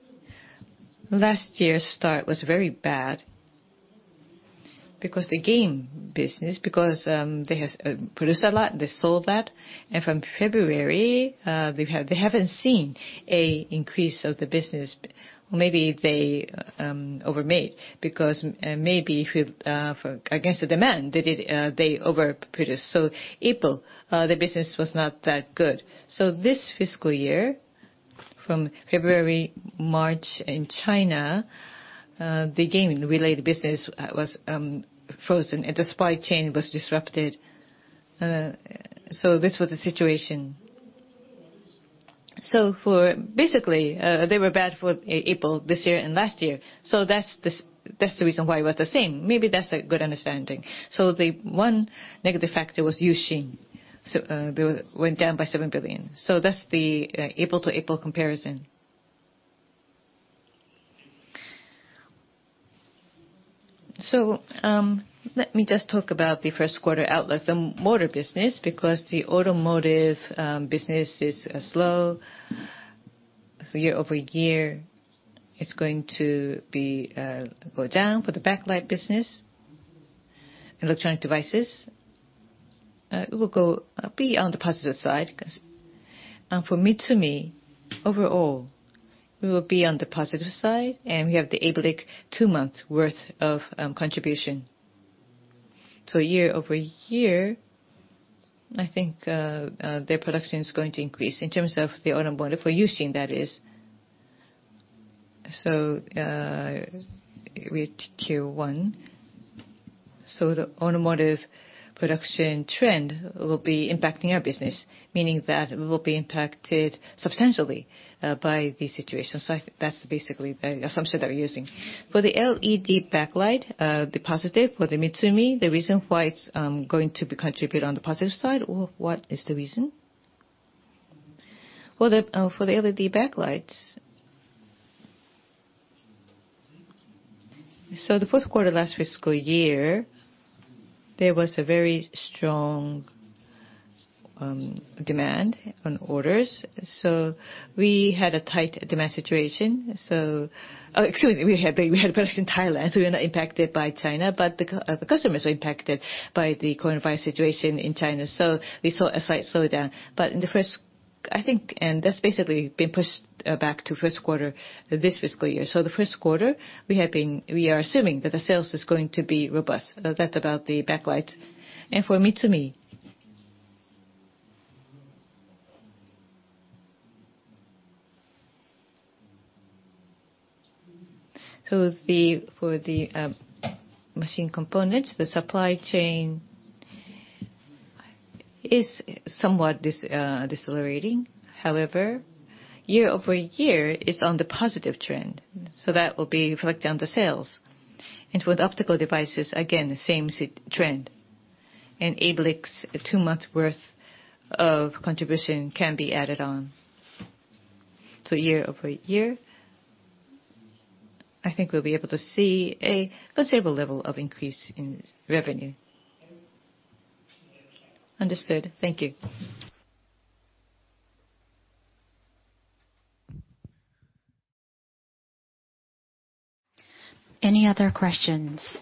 last year's start was very bad because the game business, because they has produced a lot, they sold that. From February, they haven't seen a increase of the business. Maybe they over-made because maybe against the demand, they over-produced. April, the business was not that good. This fiscal year, from February, March in China, the game related business was frozen and the supply chain was disrupted. This was the situation. They were bad for April this year and last year. That's the reason why it was the same. Maybe that's a good understanding. The one negative factor was U-Shin. They went down by 7 billion. That's the April to April comparison. Let me just talk about the first quarter outlook. The motor business, because the automotive business is slow, year-over-year, it's going to go down. The backlight business, electronic devices, it will be on the positive side. For MITSUMI, overall, we will be on the positive side, and we have the ABLIC two months' worth of contribution. Year-over-year, I think their production is going to increase in terms of the automotive, for U-Shin that is. With Q1, the automotive production trend will be impacting our business, meaning that it will be impacted substantially by the situation. That's basically the assumption that we're using. For the LED backlight, the positive for the MITSUMI, the reason why it's going to contribute on the positive side, or what is the reason? For the LED backlights, the fourth quarter last fiscal year, there was a very strong demand on orders. We had a tight demand situation. Excuse me. We had production in Thailand, we were not impacted by China, but the customers were impacted by the coronavirus situation in China. We saw a slight slowdown. That's basically been pushed back to first quarter this fiscal year. The first quarter, we are assuming that the sales is going to be robust. That's about the backlights. For MITSUMI? For the Machined Components, the supply chain is somewhat decelerating. However, year-over-year, it's on the positive trend. That will be reflected on the sales. With Optical devices, again, the same trend. In ABLIC, two months' worth of contribution can be added on to year-over-year. I think we'll be able to see a considerable level of increase in revenue. Understood. Thank you. Any other questions?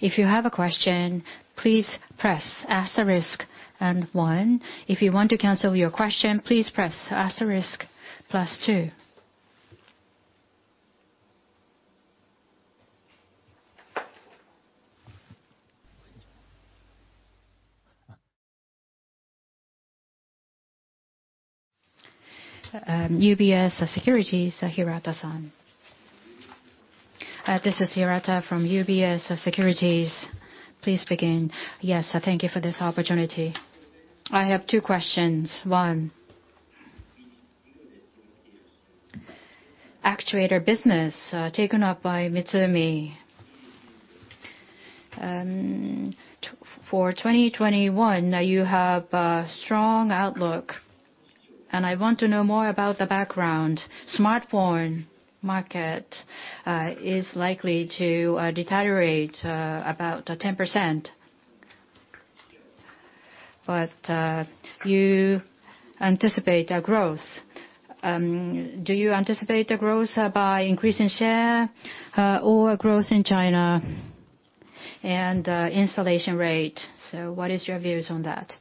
If you have a question, please press asterisk and one. If you want to cancel your question, please press asterisk plus two. UBS Securities, Hirata-san. This is Hirata from UBS Securities. Please begin. Yes, thank you for this opportunity. I have two questions. One, actuator business taken up by MITSUMI. For 2021, you have a strong outlook, and I want to know more about the background. Smartphone market is likely to deteriorate about 10%, but you anticipate a growth. Do you anticipate a growth by increase in share or growth in China and installation rate? What is your views on that?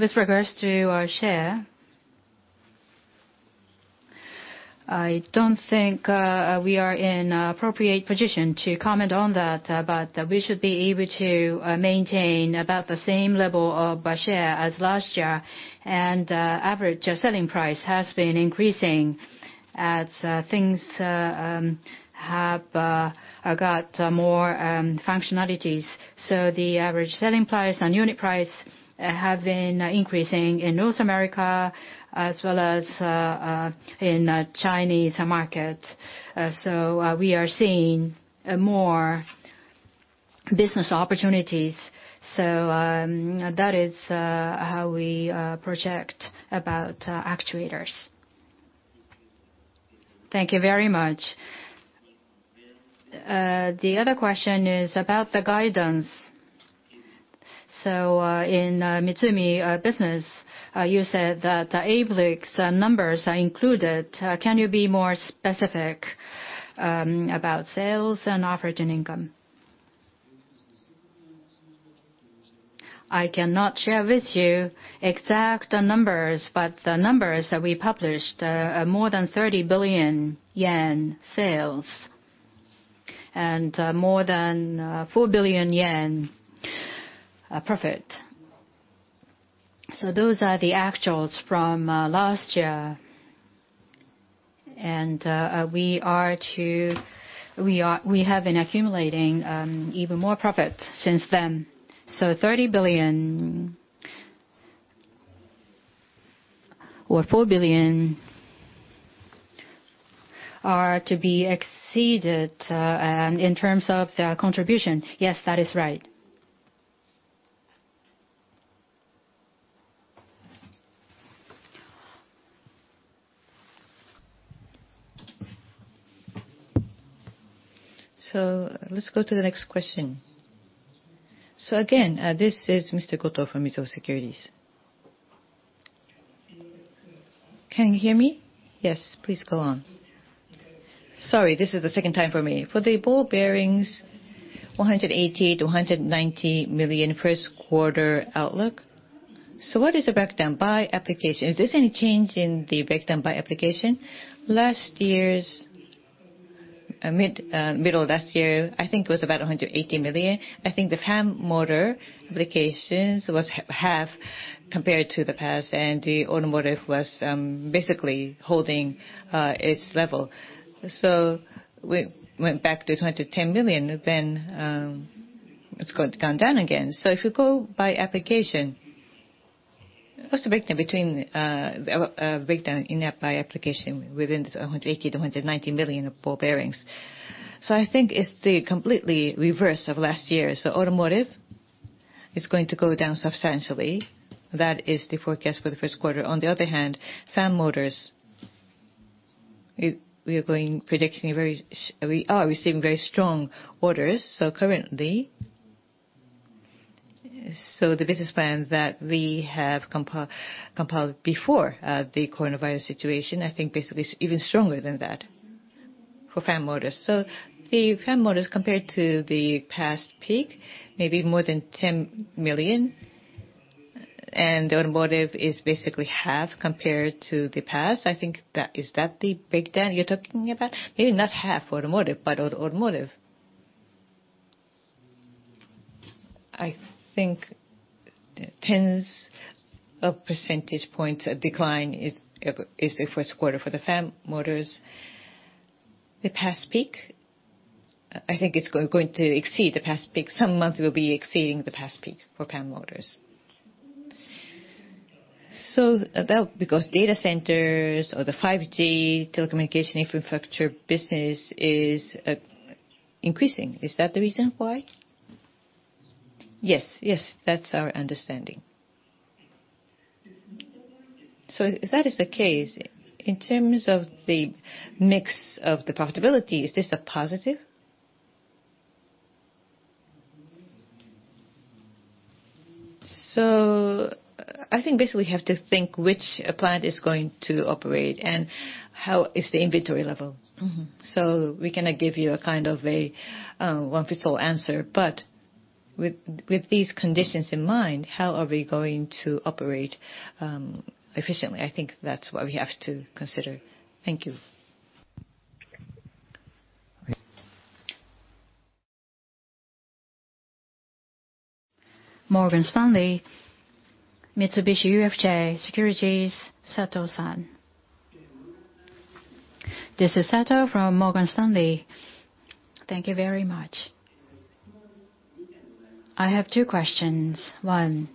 With regards to our share, I don't think we are in a appropriate position to comment on that. We should be able to maintain about the same level of share as last year. Average selling price has been increasing as things have got more functionalities. The average selling price and unit price have been increasing in North America as well as in Chinese market. We are seeing more business opportunities. That is how we project about actuators. Thank you very much. The other question is about the guidance. In MITSUMI business, you said that the ABLIC numbers are included. Can you be more specific about sales and operating income? I cannot share with you exact numbers, but the numbers that we published are more than 30 billion yen sales and more than 4 billion yen profit. Those are the actuals from last year. We have been accumulating even more profit since then. 30 billion or 4 billion are to be exceeded, and in terms of the contribution. Yes, that is right. Let's go to the next question. Again, this is Mr. Goto from Mizuho Securities. Can you hear me? Yes, please go on. Sorry, this is the second time for me. For the ball bearings, 180 million to 190 million first quarter outlook. What is the breakdown by application? Is there any change in the breakdown by application? Middle of last year, I think it was about 180 million. I think the fan motor applications was half compared to the past, and the automotive was basically holding its level. We went back to 110 million, then it's gone down again. What's the breakdown by application within this 180 million to 190 million ball bearings? I think it's the completely reverse of last year. Automotive is going to go down substantially. That is the forecast for the first quarter. Fan motors, we are receiving very strong orders. Currently, the business plan that we have compiled before the coronavirus situation, I think basically is even stronger than that for fan motors. The fan motors compared to the past peak, maybe more than 10 million, and automotive is basically half compared to the past. I think, is that the breakdown you're talking about? Maybe not half automotive, but automotive. I think tens of percentage points decline is the first quarter for the fan motors. The past peak, I think it's going to exceed the past peak. Some months will be exceeding the past peak for fan motors. That because data centers or the 5G telecommunication infrastructure business is increasing. Is that the reason why? Yes. That's our understanding. If that is the case, in terms of the mix of the profitability, is this a positive? I think basically we have to think which plant is going to operate, and how is the inventory level? We cannot give you a kind of a one fit all answer. With these conditions in mind, how are we going to operate efficiently? I think that's what we have to consider. Thank you. Morgan Stanley, Mitsubishi UFG Securities, Sato-san. This is Sato from Morgan Stanley. Thank you very much. I have two questions. One,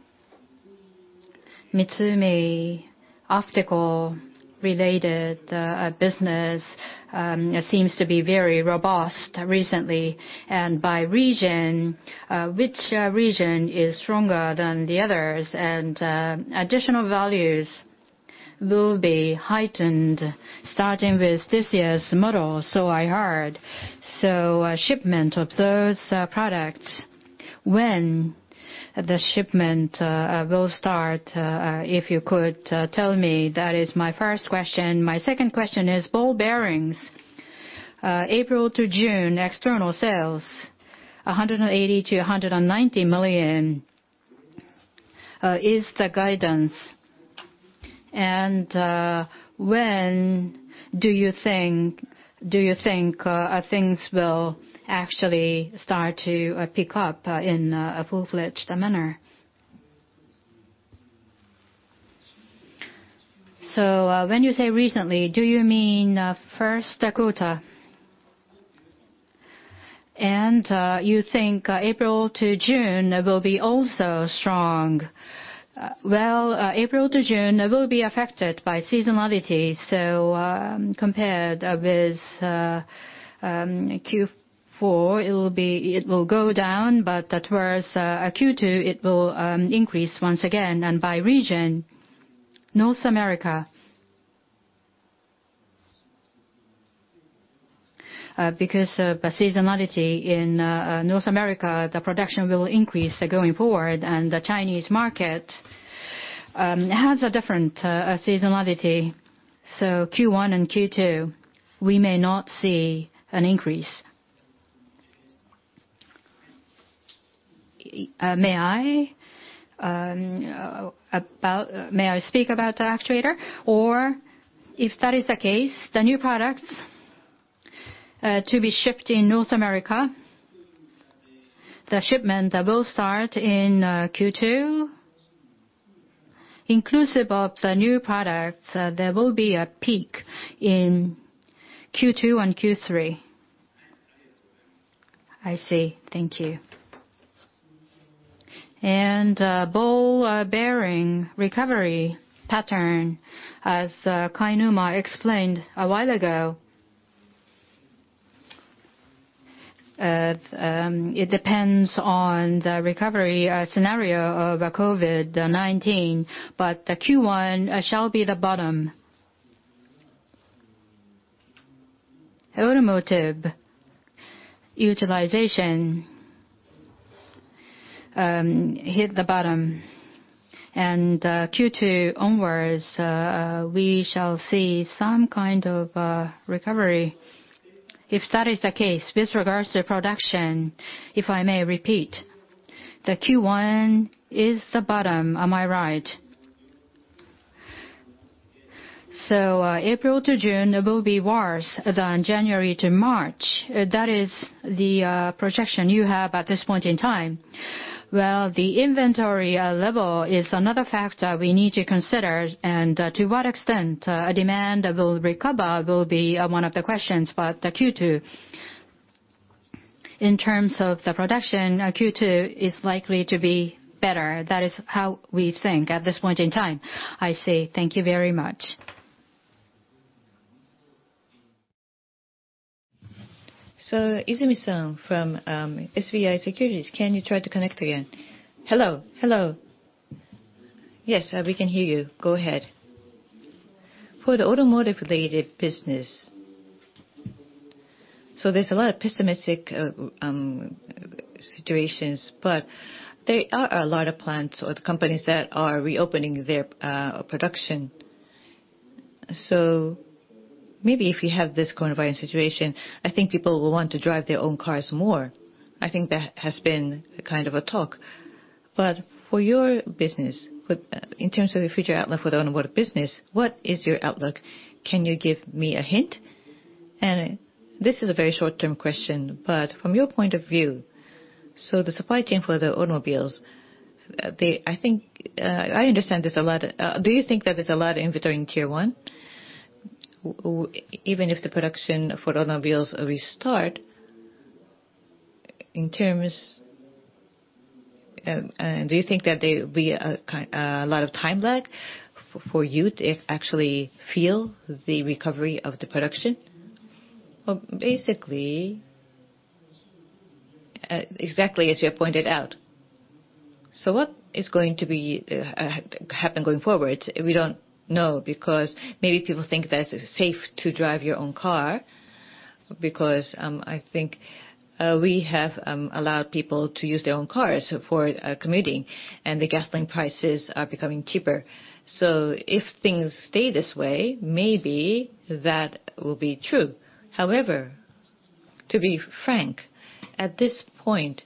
MITSUMI optical related business seems to be very robust recently. By region, which region is stronger than the others? Additional values will be heightened starting with this year's model, so I heard. Shipment of those products, when the shipment will start, if you could tell me. That is my first question. My second question is ball bearings, April to June external sales, 180 million-190 million is the guidance. When do you think things will actually start to pick up in a full-fledged manner? When you say recently, do you mean first quarter? You think April to June will be also strong? Well, April to June will be affected by seasonality. Compared with Q4, it will go down. Whereas Q2, it will increase once again. By region, North America. By seasonality in North America, the production will increase going forward, and the Chinese market has a different seasonality. Q1 and Q2, we may not see an increase. May I speak about the actuator? If that is the case, the new products to be shipped in North America, the shipment will start in Q2. Inclusive of the new products, there will be a peak in Q2 and Q3. I see. Thank you. Ball bearing recovery pattern, as Kainuma explained a while ago. It depends on the recovery scenario of COVID-19, but the Q1 shall be the bottom. Automotive utilization hit the bottom and Q2 onwards, we shall see some kind of recovery. If that is the case, with regards to production, if I may repeat, the Q1 is the bottom. Am I right? April to June will be worse than January to March. That is the projection you have at this point in time. Well, the inventory level is another factor we need to consider, and to what extent demand will recover will be one of the questions. In terms of the production, Q2 is likely to be better. That is how we think at this point in time. I say thank you very much. Izumi-san from SBI Securities, can you try to connect again? Hello. Yes, we can hear you. Go ahead. For the automotive-related business, so there's a lot of pessimistic situations, but there are a lot of plants or the companies that are reopening their production. Maybe if we don't have this coronavirus situation, I think people will want to drive their own cars more. I think that has been a kind of a talk. For your business, in terms of the future outlook for the automotive business, what is your outlook? Can you give me a hint? This is a very short-term question, but from your point of view, so the supply chain for the automobiles, I understand there's a lot. Do you think that there's a lot of inventory in Tier 1? Even if the production for automobiles restart, do you think that there will be a lot of time lag for you to actually feel the recovery of the production? Well, basically, exactly as you have pointed out. What is going to happen going forward? We don't know because maybe people think that it's safe to drive your own car, because I think we have allowed people to use their own cars for commuting, and the gasoline prices are becoming cheaper. If things stay this way, maybe that will be true. However, to be frank, at this point,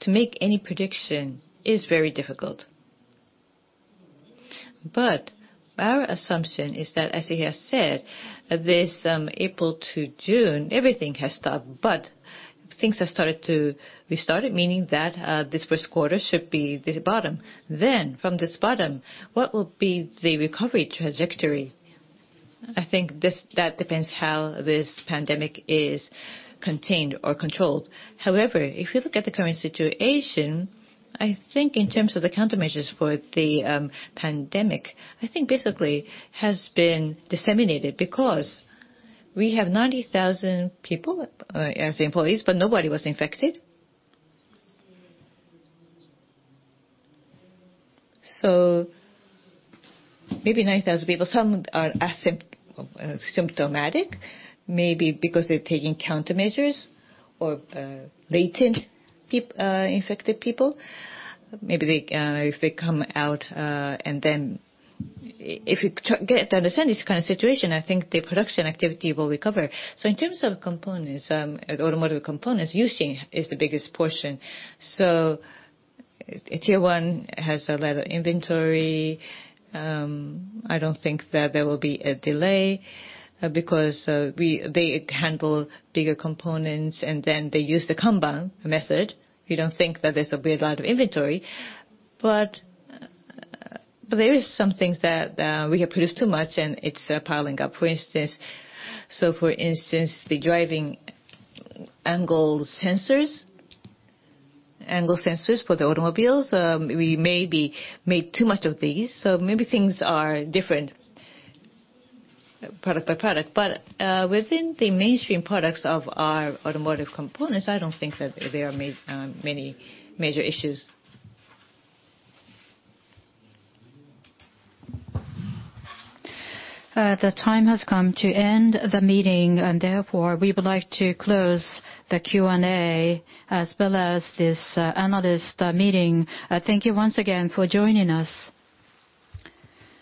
to make any prediction is very difficult. Our assumption is that, as I have said, this April to June, everything has stopped, but things have started to restart, meaning that this first quarter should be the bottom. From this bottom, what will be the recovery trajectory? I think that depends how this pandemic is contained or controlled. If you look at the current situation, I think in terms of the countermeasures for the pandemic, I think basically has been disseminated because we have 90,000 people as employees, but nobody was infected. Maybe 90,000 people, some are asymptomatic, maybe because they're taking countermeasures, or latent infected people. Maybe if they come out, and then if we get to understand this kind of situation, I think the production activity will recover. In terms of automotive components, U-Shin is the biggest portion. Tier 1 has a lot of inventory. I don't think that there will be a delay because they handle bigger components, and then they use the Kanban method. We don't think that there's going to be a lot of inventory. There is some things that we have produced too much and it's piling up. For instance, the driving angle sensors for the automobiles, we maybe made too much of these. Maybe things are different product by product. Within the mainstream products of our automotive components, I don't think that there are many major issues. The time has come to end the meeting, and therefore, we would like to close the Q&A as well as this analyst meeting. Thank you once again for joining us.